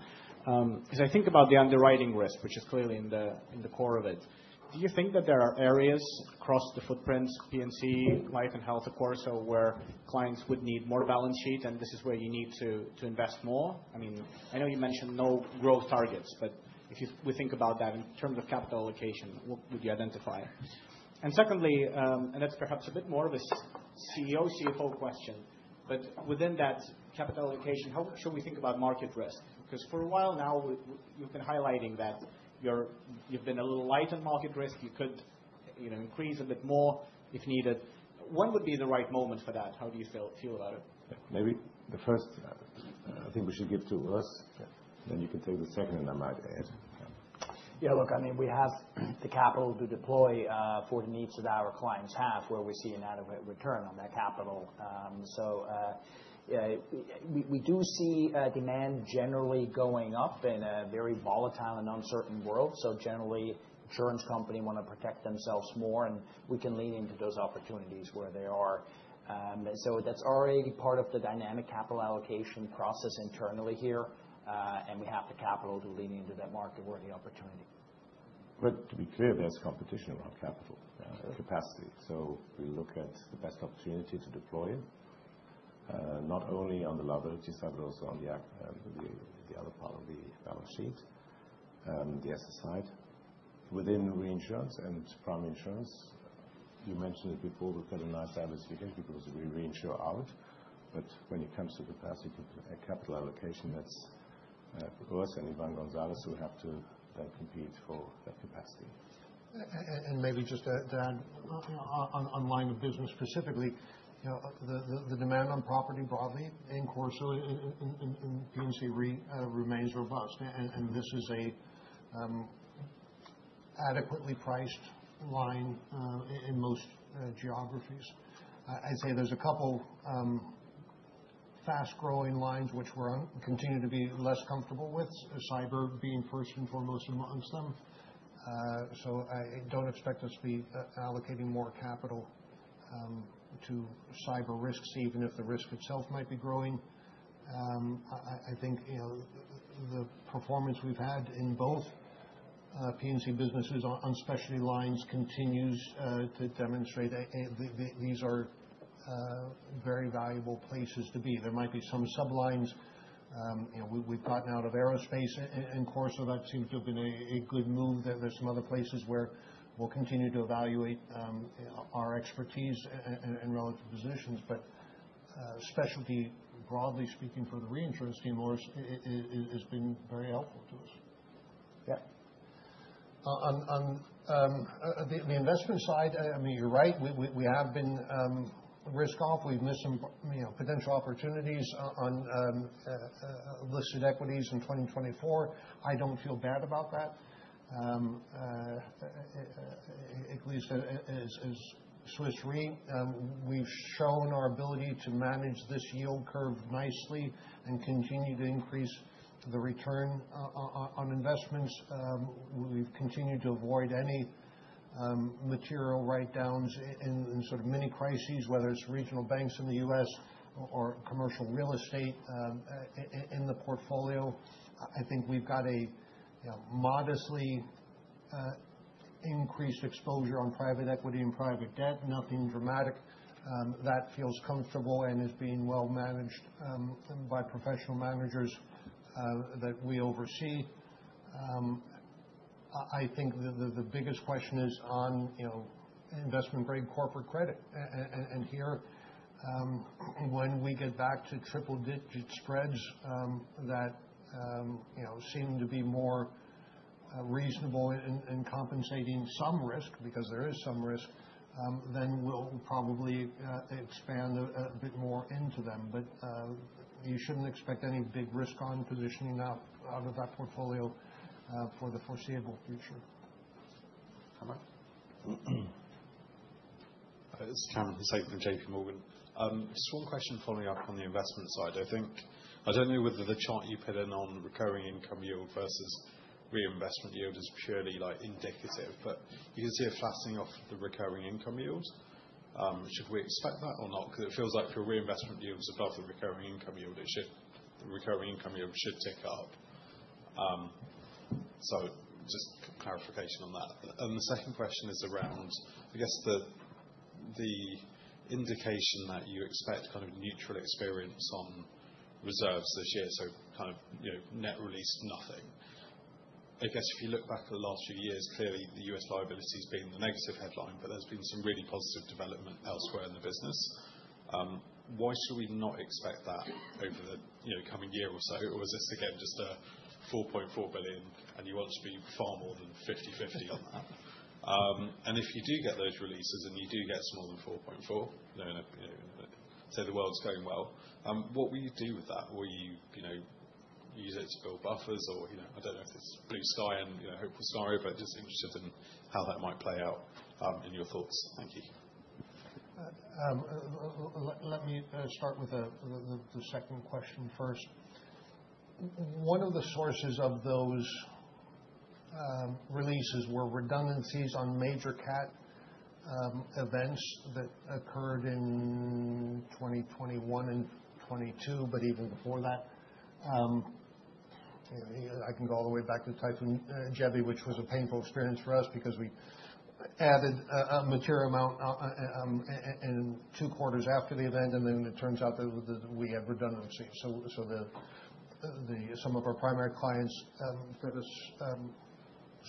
As I think about the underwriting risk, which is clearly in the core of it, do you think that there are areas across the footprints, P&C, Life & Health, of course, where clients would need more balance sheet and this is where you need to invest more? I mean, I know you mentioned no growth targets, but if we think about that in terms of capital allocation, what would you identify? And secondly, and that's perhaps a bit more of a CEO, CFO question, but within that capital allocation, how should we think about market risk? Because for a while now, you've been highlighting that you've been a little light on market risk. You could increase a bit more if needed. When would be the right moment for that? How do you feel about it? Maybe the first, I think we should give to us. Then you can take the second, and I might add. Yeah, look, I mean, we have the capital to deploy for the needs that our clients have where we see an adequate return on that capital. So we do see demand generally going up in a very volatile and uncertain world. So generally, insurance companies want to protect themselves more, and we can lean into those opportunities where they are. So that's already part of the dynamic capital allocation process internally here. And we have the capital to lean into that market-worthy opportunity. But to be clear, there's competition around capital, capacity. So we look at the best opportunity to deploy, not only on the liability side, but also on the other part of the balance sheet, the asset side. Within reinsurance and prime insurance, you mentioned it before. We've got a nice balance sheet here because we reinsure out. But when it comes to capacity and capital allocation, that's us and Ivan Gonzalez who have to then compete for that capacity. And maybe just to add one line of business specifically, the demand for property broadly in CorSo and P&C remains robust. And this is an adequately priced line in most geographies. I'd say there's a couple of fast-growing lines which we're continuing to be less comfortable with, cyber being first and foremost amongst them. So I don't expect us to be allocating more capital to cyber risks, even if the risk itself might be growing. I think the performance we've had in both P&C businesses on specialty lines continues to demonstrate that these are very valuable places to be. There might be some sublines. We've gotten out of aerospace in CorSo. That seems to have been a good move, that there's some other places where we'll continue to evaluate our expertise and relative positions. But specialty, broadly speaking, for the reinsurance team has been very helpful to us. Yeah. On the investment side, I mean, you're right. We have been risk-off. We've missed some potential opportunities on listed equities in 2024. I don't feel bad about that. At least as Swiss Re, we've shown our ability to manage this yield curve nicely and continue to increase the return on investments. We've continued to avoid any material write-downs in sort of mini crises, whether it's regional banks in the U.S. or commercial real estate in the portfolio. I think we've got a modestly increased exposure on private equity and private debt, nothing dramatic. That feels comfortable and is being well managed by professional managers that we oversee. I think the biggest question is on investment-grade corporate credit. And here, when we get back to triple-digit spreads that seem to be more reasonable in compensating some risk because there is some risk, then we'll probably expand a bit more into them. But you shouldn't expect any big risk on positioning out of that portfolio for the foreseeable future. Kamran? This is Kamran Hossain from J.P. Morgan. Just one question following up on the investment side. I don't know whether the chart you put in on recurring income yield versus reinvestment yield is purely indicative, but you can see a flattening of the recurring income yield. Should we expect that or not? Because it feels like for reinvestment yields above the recurring income yield, the recurring income yield should tick up. So just clarification on that. And the second question is around, I guess, the indication that you expect kind of neutral experience on reserves this year, so kind of net release, nothing. I guess if you look back at the last few years, clearly the U.S. liability has been the negative headline, but there's been some really positive development elsewhere in the business. Why should we not expect that over the coming year or so? Or is this again just a $4.4 billion, and you want to be far more than 50/50 on that? And if you do get those releases and you do get smaller than $4.4 billion, say the world's going well, what will you do with that? Will you use it to build buffers? Or, I don't know if it's blue sky and hopeful scenario, but just interested in how that might play out in your thoughts. Thank you. Let me start with the second question first. One of the sources of those releases were redundancies on major cat events that occurred in 2021 and 2022, but even before that. I can go all the way back to Typhoon Jebi, which was a painful experience for us because we added a material amount in two quarters after the event, and then it turns out that we had redundancy. So some of our primary clients put us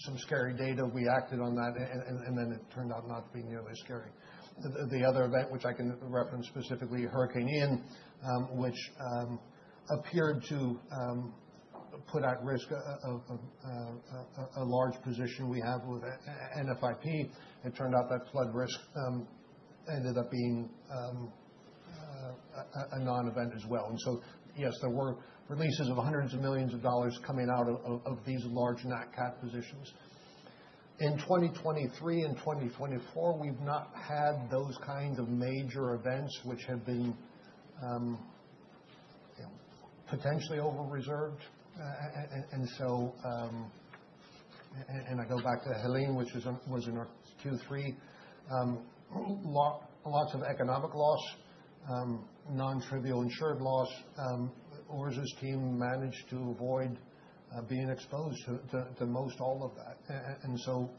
some scary data. We acted on that, and then it turned out not to be nearly as scary. The other event, which I can reference specifically, Hurricane Ian, which appeared to put at risk a large position we have with NFIP, it turned out that flood risk ended up being a non-event as well. And so yes, there were releases of hundreds of millions of dollars coming out of these large NatCat positions. In 2023 and 2024, we've not had those kinds of major events which have been potentially over-reserved, and I go back to Helene, which was in Q3. Lots of economic loss, non-trivial insured loss. Urs's team managed to avoid being exposed to most all of that. And so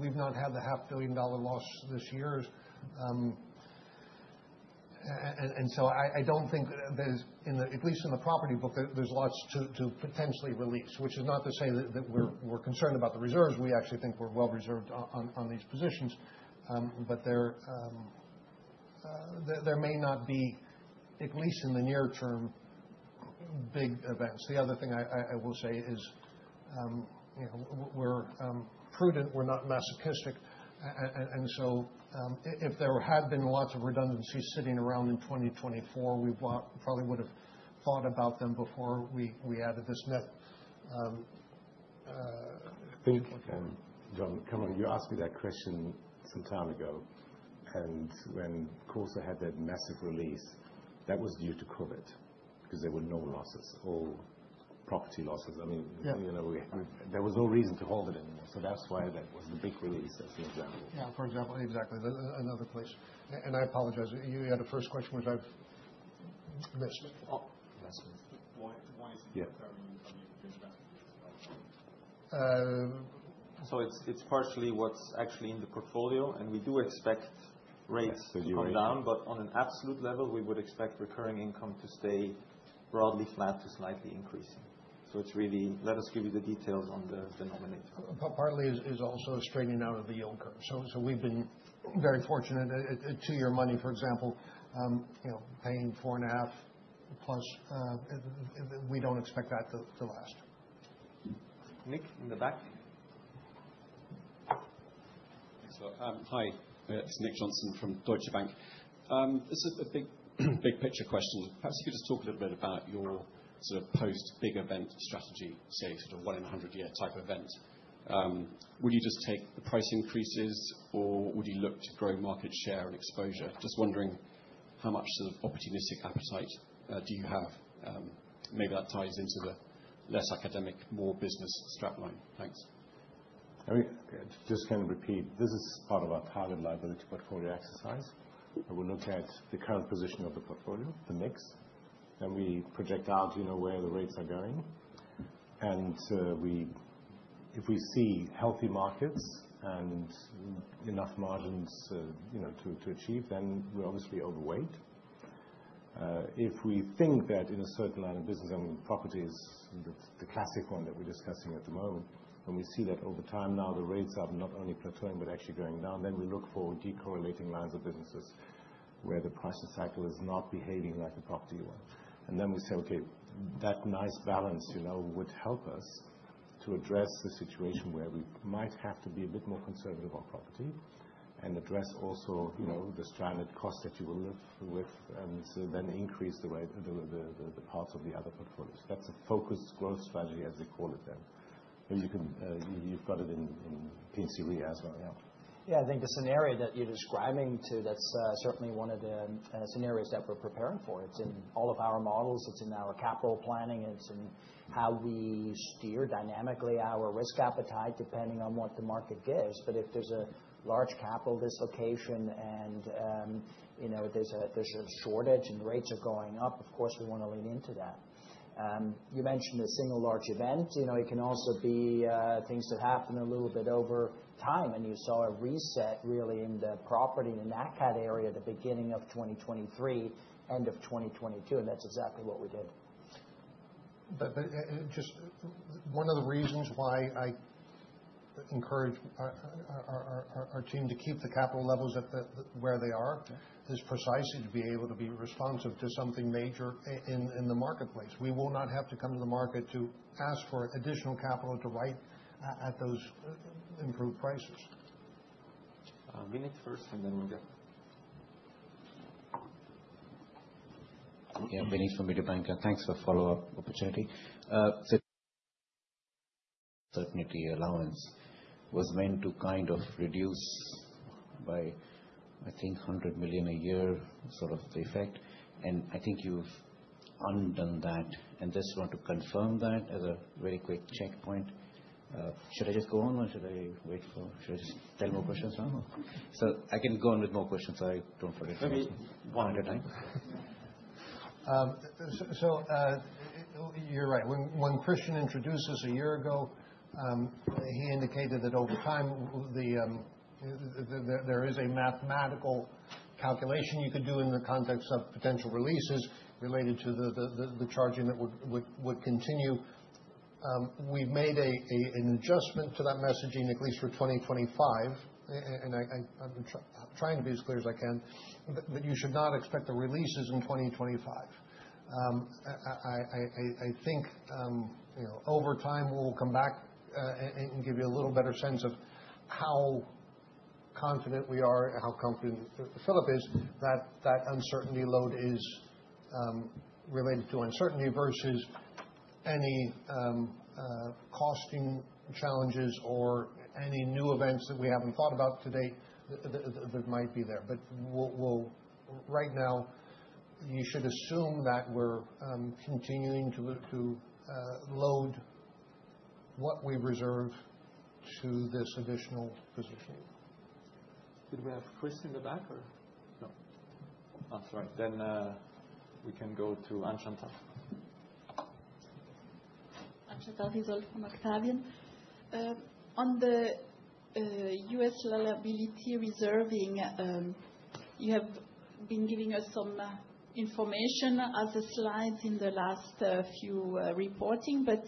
we've not had the $500 million loss this year. And so I don't think, at least in the property book, there's lots to potentially release, which is not to say that we're concerned about the reserves. We actually think we're well-reserved on these positions. But there may not be, at least in the near term, big events. The other thing I will say is we're prudent. We're not masochistic. And so if there had been lots of redundancies sitting around in 2024, we probably would have thought about them before we added this net. I think, Kamran, you asked me that question some time ago, and when CorSo had that massive release, that was due to COVID because there were no losses or property losses. I mean, there was no reason to hold it anymore, so that's why that was the big release, as an example. Yeah, for example, exactly. Another place, and I apologize. You had a first question, which I've missed. Why is it recurring income yield reinvestment? So it's partially what's actually in the portfolio. And we do expect rates to come down. But on an absolute level, we would expect recurring income to stay broadly flat to slightly increasing. So let us give you the details on the denominator. Partly is also straightening out of the yield curve. So we've been very fortunate at two-year money, for example, paying four and a half plus. We don't expect that to last. Nick in the back. Hi. It's Nick Johnson from Deutsche Bank. This is a big picture question. Perhaps you could just talk a little bit about your sort of post-big event strategy, say, sort of one-in-a-hundred-year type event. Would you just take the price increases, or would you look to grow market share and exposure? Just wondering how much sort of opportunistic appetite do you have? Maybe that ties into the less academic, more business strapline. Thanks. I just can repeat. This is part of our target liability portfolio exercise. We look at the current position of the portfolio, the mix. Then we project out where the rates are going. And if we see healthy markets and enough margins to achieve, then we're obviously overweight. If we think that in a certain line of business and properties, the classic one that we're discussing at the moment, when we see that over time now the rates are not only plateauing, but actually going down, then we look for decorrelating lines of businesses where the price cycle is not behaving like a property one. And then we say, okay, that nice balance would help us to address the situation where we might have to be a bit more conservative on property and address also the stranded cost that you will live with and then increase the parts of the other portfolios. That's a focused growth strategy, as they call it then. You've got it in P&C Re as well, yeah. Yeah, I think the scenario that you're describing, too, that's certainly one of the scenarios that we're preparing for. It's in all of our models. It's in our capital planning. It's in how we steer dynamically our risk appetite depending on what the market gives. But if there's a large capital dislocation and there's a shortage and rates are going up, of course, we want to lean into that. You mentioned a single large event. It can also be things that happen a little bit over time. And you saw a reset really in the property in the NatCat area at the beginning of 2023, end of 2022. And that's exactly what we did. But just one of the reasons why I encourage our team to keep the capital levels where they are is precisely to be able to be responsive to something major in the marketplace. We will not have to come to the market to ask for additional capital to write at those improved prices. Vinit first, and then we'll go. Yeah, Vinit from Mediobanca. Thanks for the follow-up opportunity. So, certainty allowance was meant to kind of reduce by, I think, $100 million a year, sort of the effect. And I think you've undone that. And I just want to confirm that as a very quick checkpoint. Should I just go on, or should I wait for, should I just ask more questions now? So I can go on with more questions. Sorry, don't forget to ask one at a time. So you're right. When Christian introduced us a year ago, he indicated that over time, there is a mathematical calculation you could do in the context of potential releases related to the charging that would continue. We've made an adjustment to that messaging, at least for 2025. And I'm trying to be as clear as I can. But you should not expect the releases in 2025. I think over time, we'll come back and give you a little better sense of how confident we are and how confident Philip is that that uncertainty load is related to uncertainty versus any costing challenges or any new events that we haven't thought about to date that might be there. But right now, you should assume that we're continuing to load what we reserve to this additional positioning. Did we have Chris in the back, or? No. Oh, sorry. Then we can go to Anne-Chantal. Anne-Chantal Risold from Octavian. On the U.S. liability reserving, you have been giving us some information as a slide in the last few reporting. But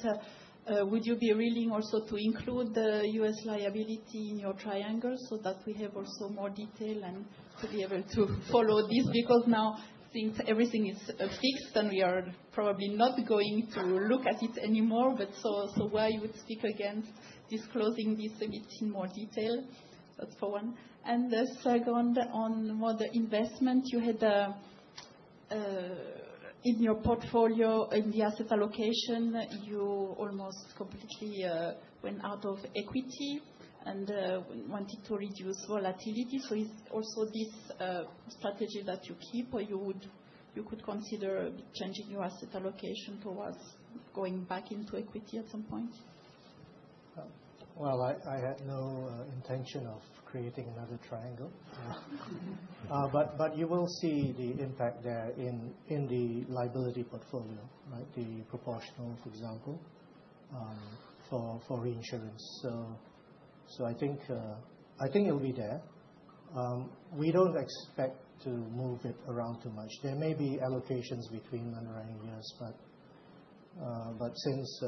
would you be willing also to include the U.S. liability in your triangle so that we have also more detail and to be able to follow this? Because now everything is fixed, and we are probably not going to look at it anymore. But so why you would speak against disclosing this a bit in more detail? That's for one. And the second on what the investment you had in your portfolio in the asset allocation, you almost completely went out of equity and wanted to reduce volatility. So is also this strategy that you keep, or you could consider changing your asset allocation towards going back into equity at some point? Well, I had no intention of creating another triangle. But you will see the impact there in the liability portfolio, the proportional, for example, for reinsurance. So I think it will be there. We don't expect to move it around too much. There may be allocations between underlying years, but since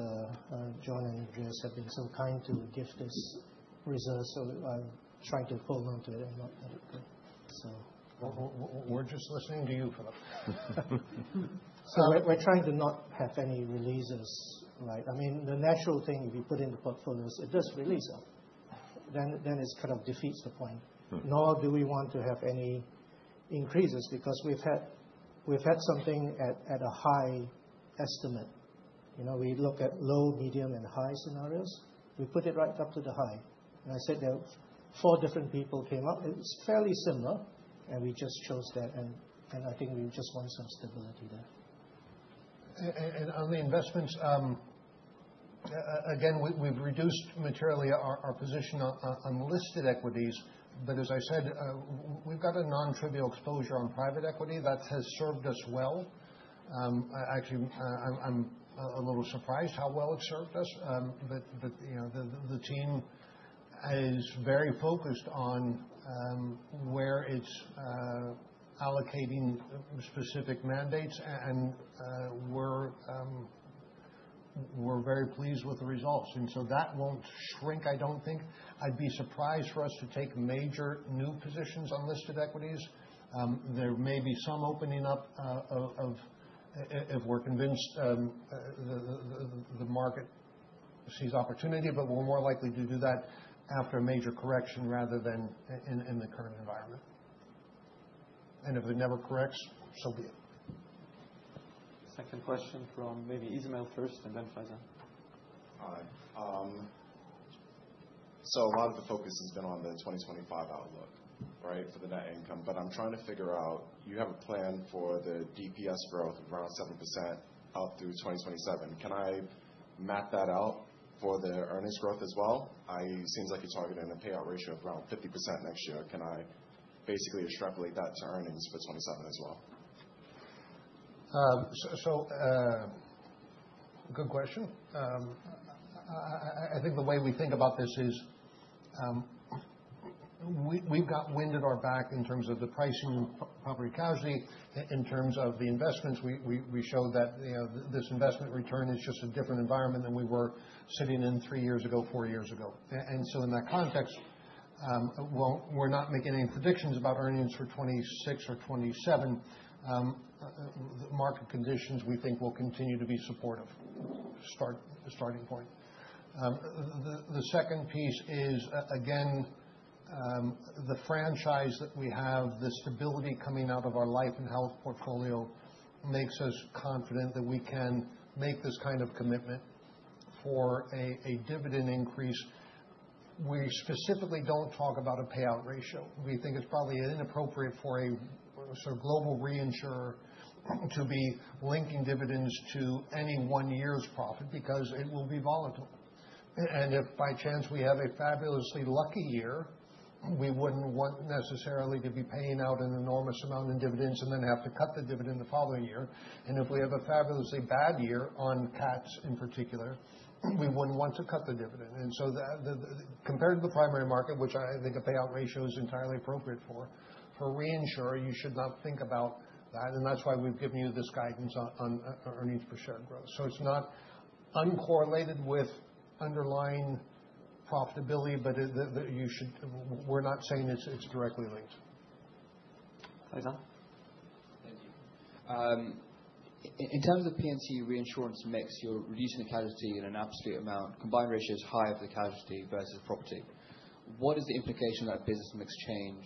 John and Jess have been so kind to give this reserve, so I'm trying to hold on to it and not let it go. We're just listening to you, Philip. We're trying to not have any releases. I mean, the natural thing, if you put in the portfolios, it does release them. Then it kind of defeats the point. Nor do we want to have any increases because we've had something at a high estimate. We look at low, medium, and high scenarios. We put it right up to the high. I said there were four different people came up. It's fairly similar, and we just chose that. I think we just want some stability there. On the investments, again, we've reduced materially our position on listed equities. As I said, we've got a non-trivial exposure on private equity that has served us well. Actually, I'm a little surprised how well it served us. The team is very focused on where it's allocating specific mandates, and we're very pleased with the results. And so that won't shrink, I don't think. I'd be surprised for us to take major new positions on listed equities. There may be some opening up if we're convinced the market sees opportunity, but we're more likely to do that after a major correction rather than in the current environment. And if it never corrects, so be it. Second question from maybe Ismail first, and then Faizan. Hi. So a lot of the focus has been on the 2025 outlook, right, for the net income. But I'm trying to figure out you have a plan for the DPS growth of around 7% up through 2027. Can I map that out for the earnings growth as well? It seems like you're targeting a payout ratio of around 50% next year. Can I basically extrapolate that to earnings for 2027 as well? So good question. I think the way we think about this is we've got wind at our back in terms of the pricing and property casualty. In terms of the investments, we showed that this investment return is just a different environment than we were sitting in three years ago, four years ago. And so in that context, while we're not making any predictions about earnings for 2026 or 2027, the market conditions we think will continue to be supportive, starting point. The second piece is, again, the franchise that we have, the stability coming out of our Life & Health portfolio makes us confident that we can make this kind of commitment for a dividend increase. We specifically don't talk about a payout ratio. We think it's probably inappropriate for a sort of global reinsurer to be linking dividends to any one year's profit because it will be volatile. And if by chance we have a fabulously lucky year, we wouldn't want necessarily to be paying out an enormous amount in dividends and then have to cut the dividend the following year. And if we have a fabulously bad year on cats in particular, we wouldn't want to cut the dividend. And so compared to the primary market, which I think a payout ratio is entirely appropriate for, for a reinsurer, you should not think about that. And that's why we've given you this guidance on earnings per share growth. So it's not uncorrelated with underlying profitability, but we're not saying it's directly linked. Faizan. In terms of P&C Reinsurance mix, you're reducing the Casualty in an absolute amount. Combined Ratio is higher for the Casualty versus Property. What is the implication of that business mix change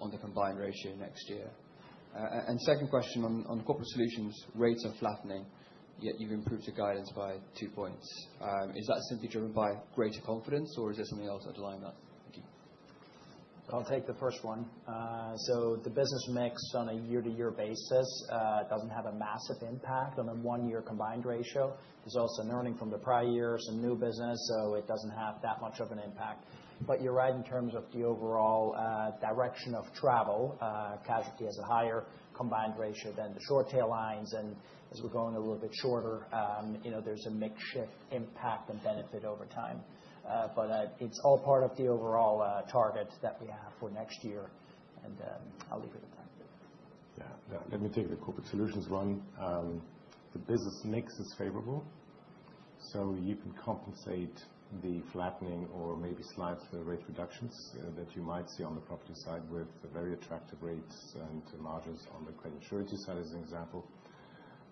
on the Combined Ratio next year? And second question on Corporate Solutions, rates are flattening, yet you've improved your guidance by two points. Is that simply driven by greater confidence, or is there something else underlying that? Thank you. I'll take the first one. The business mix on a year-to-year basis doesn't have a massive impact on a one-year combined ratio. There's also earnings from the prior year, some new business, so it doesn't have that much of an impact. But you're right in terms of the overall direction of travel. Casualty has a higher combined ratio than the short tail lines, and as we're going a little bit shorter, there's a net impact and benefit over time. But it's all part of the overall target that we have for next year, and I'll leave it at that. Yeah. Let me take the Corporate Solutions one. The business mix is favorable, so you can compensate the flattening or maybe slight rate reductions that you might see on the property side with very attractive rates and margins on the credit insurance side as an example.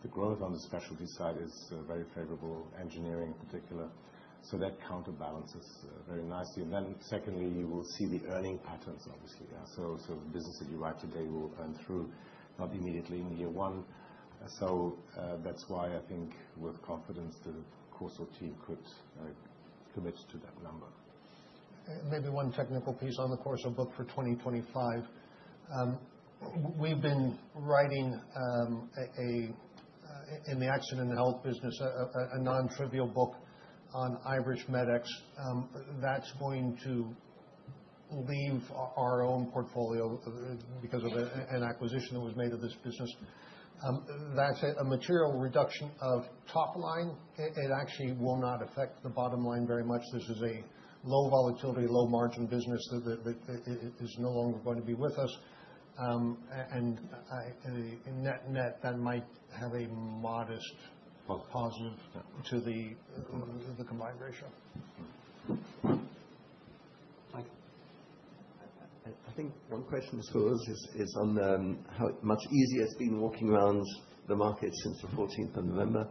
The growth on the specialty side is very favorable, engineering in particular. So that counterbalances very nicely. And then secondly, you will see the earning patterns, obviously. So the business that you write today will earn through not immediately in year one. So that's why I think with confidence the CorSo team could commit to that number. Maybe one technical piece on the CorSo book for 2025. We've been writing in the accident and health business a non-trivial book on iptiQ's Medex. That's going to leave our own portfolio because of an acquisition that was made of this business. That's a material reduction of top line. It actually will not affect the bottom line very much. This is a low volatility, low margin business that is no longer going to be with us, and net net, that might have a modest positive to the combined ratio. Thank you. I think one question for us is on how much easier it's been walking around the market since the 14th of November.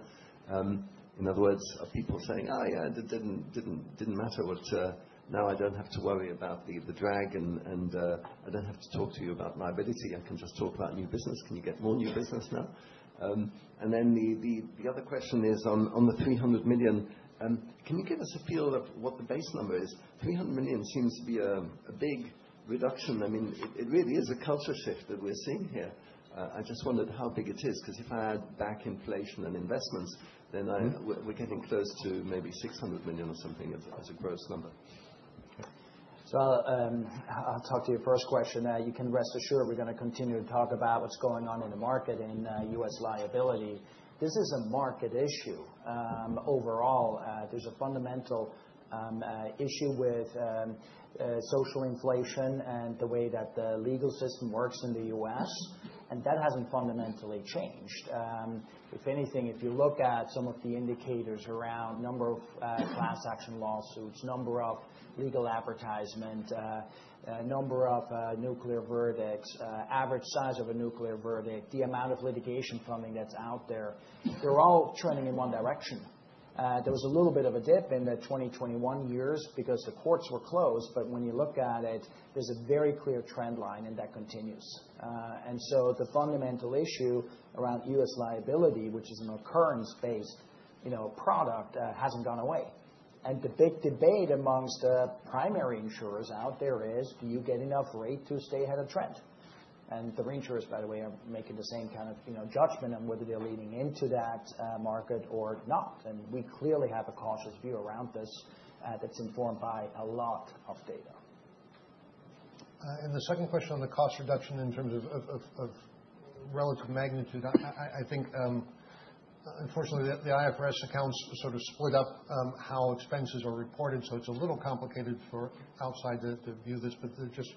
In other words, are people saying, "Oh, yeah, it didn't matter, but now I don't have to worry about the drag, and I don't have to talk to you about liability. I can just talk about new business. Can you get more new business now?" And then the other question is on the $300 million. Can you give us a feel of what the base number is? $300 million seems to be a big reduction. I mean, it really is a culture shift that we're seeing here. I just wondered how big it is because if I add back inflation and investments, then we're getting close to maybe $600 million or something as a gross number. I'll talk to your first question. You can rest assured we're going to continue to talk about what's going on in the market in U.S. liability. This is a market issue. Overall, there's a fundamental issue with social inflation and the way that the legal system works in the U.S. That hasn't fundamentally changed. If anything, if you look at some of the indicators around number of class action lawsuits, number of legal advertisements, number of nuclear verdicts, average size of a nuclear verdict, the amount of litigation funding that's out there, they're all trending in one direction. There was a little bit of a dip in the 2021 years because the courts were closed. When you look at it, there's a very clear trend line, and that continues. The fundamental issue around U.S. liability, which is an occurrence-based product, hasn't gone away. And the big debate among the primary insurers out there is, do you get enough rate to stay ahead of trend? And the reinsurers, by the way, are making the same kind of judgment on whether they're leaning into that market or not. And we clearly have a cautious view around this that's informed by a lot of data. And the second question on the cost reduction in terms of relative magnitude, I think, unfortunately, the IFRS accounts sort of split up how expenses are reported. So it's a little complicated for outsiders to view this, but they're just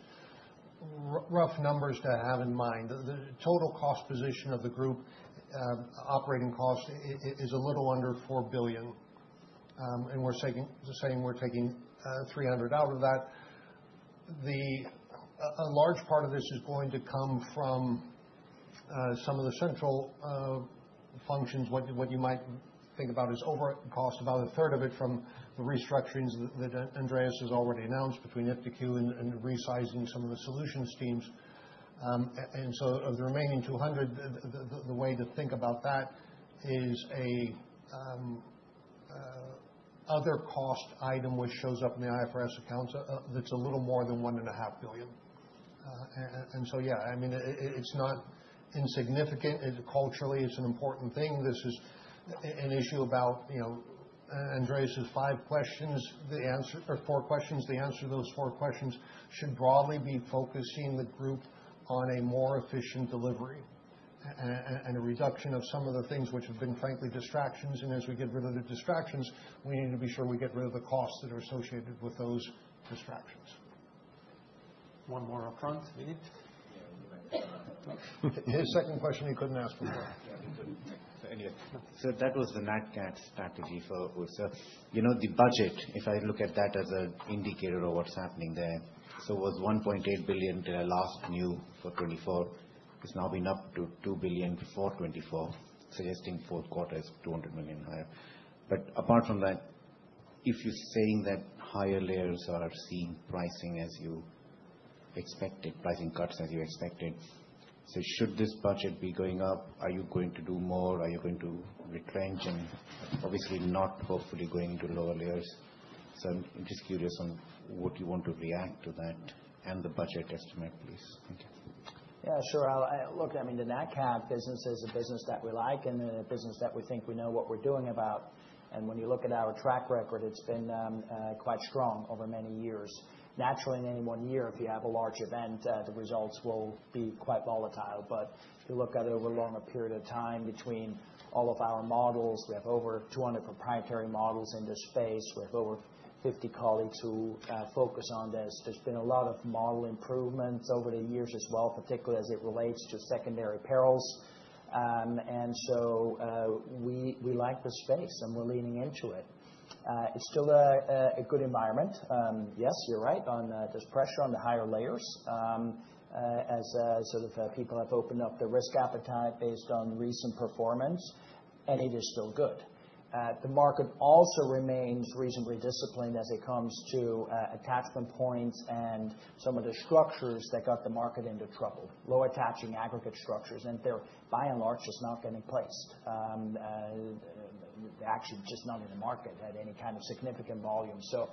rough numbers to have in mind. The total cost position of the group operating cost is a little under $4 billion. And we're saying we're taking $300 million out of that. A large part of this is going to come from some of the central functions. What you might think about is overhead cost, about a third of it from the restructurings that Andreas has already announced between iptiQ and resizing some of the solutions teams. And so of the remaining $200 million, the way to think about that is another cost item which shows up in the IFRS accounts that's a little more than $1.5 billion. And so, yeah, I mean, it's not insignificant. Culturally, it's an important thing. This is an issue about Andreas's five questions, the answer to four questions. The answer to those four questions should broadly be focusing the group on a more efficient delivery and a reduction of some of the things which have been, frankly, distractions. And as we get rid of the distractions, we need to be sure we get rid of the costs that are associated with those distractions. One more upfront. His second question he couldn't ask before. Yeah, he couldn't. So anyway. That was the NatCat strategy for. The budget, if I look at that as an indicator of what's happening there, was $1.8 billion last year for 2024. It's now up to $2 billion for 2024, suggesting four quarters $200 million higher. But apart from that, if you're saying that higher layers are seeing pricing as you expected, pricing cuts as you expected, should this budget be going up? Are you going to do more? Are you going to retrench? And obviously not, hopefully, going to lower layers. I'm just curious on what you want to react to that and the budget estimate, please. Thank you. Yeah, sure. Look, I mean, the NatCat business is a business that we like and a business that we think we know what we're doing about. And when you look at our track record, it's been quite strong over many years. Naturally, in any one year, if you have a large event, the results will be quite volatile. But if you look at it over a longer period of time between all of our models, we have over 200 proprietary models in this space. We have over 50 colleagues who focus on this. There's been a lot of model improvements over the years as well, particularly as it relates to secondary perils. And so we like the space, and we're leaning into it. It's still a good environment. Yes, you're right on this pressure on the higher layers as sort of people have opened up the risk appetite based on recent performance, and it is still good. The market also remains reasonably disciplined as it comes to attachment points and some of the structures that got the market into trouble. Low attaching aggregate structures, and they're by and large just not getting placed. They're actually just not in the market at any kind of significant volume. So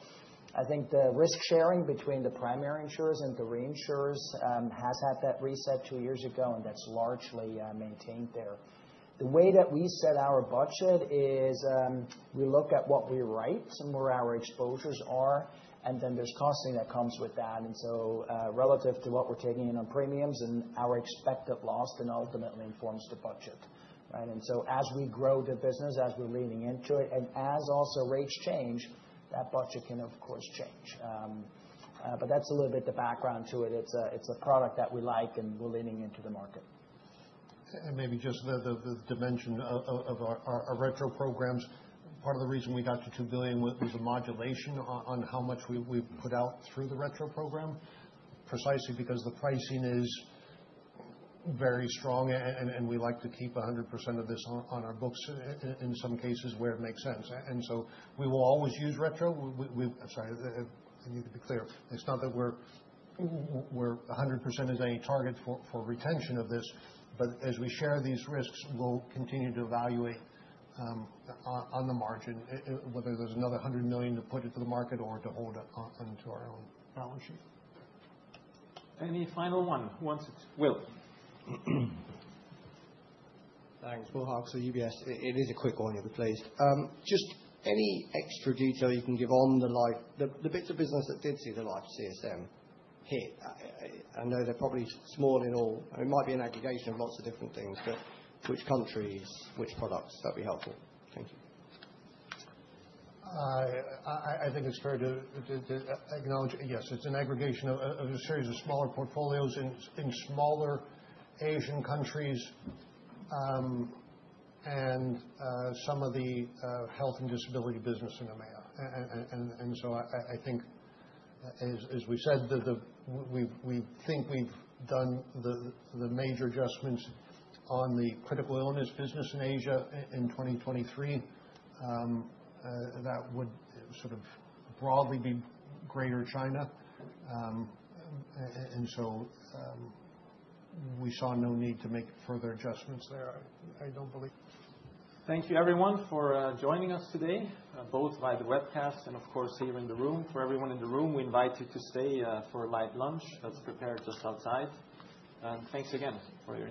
I think the risk sharing between the primary insurers and the reinsurers has had that reset two years ago, and that's largely maintained there. The way that we set our budget is we look at what we write and where our exposures are, and then there's costing that comes with that. And so relative to what we're taking in on premiums and our expected loss, then ultimately informs the budget, right? And so as we grow the business, as we're leaning into it, and as also rates change, that budget can, of course, change. But that's a little bit the background to it. It's a product that we like, and we're leaning into the market. And maybe just the dimension of our retro programs. Part of the reason we got to $2 billion was a modulation on how much we've put out through the retro program, precisely because the pricing is very strong, and we like to keep 100% of this on our books in some cases where it makes sense. And so we will always use retro. Sorry, I need to be clear. It's not that we're 100% as a target for retention of this, but as we share these risks, we'll continue to evaluate on the margin whether there's another $100 million to put into the market or to hold onto our own balance sheet. Any final one? Will. Thanks. Will Hardcastle for UBS. It is a quick one, please. Just any extra detail you can give on the bits of business that did see the L&H CSM hit? I know they're probably small in all. It might be an aggregation of lots of different things, but which countries, which products? That'd be helpful. Thank you. I think it's fair to acknowledge, yes, it's an aggregation of a series of smaller portfolios in smaller Asian countries and some of the health and disability business in EMEA. And so I think, as we said, we think we've done the major adjustments on the critical illness business in Asia in 2023. That would sort of broadly be greater China. And so we saw no need to make further adjustments there. I don't believe. Thank you, everyone, for joining us today, both via the webcast and, of course, here in the room. For everyone in the room, we invite you to stay for a light lunch that's prepared just outside, and thanks again for your.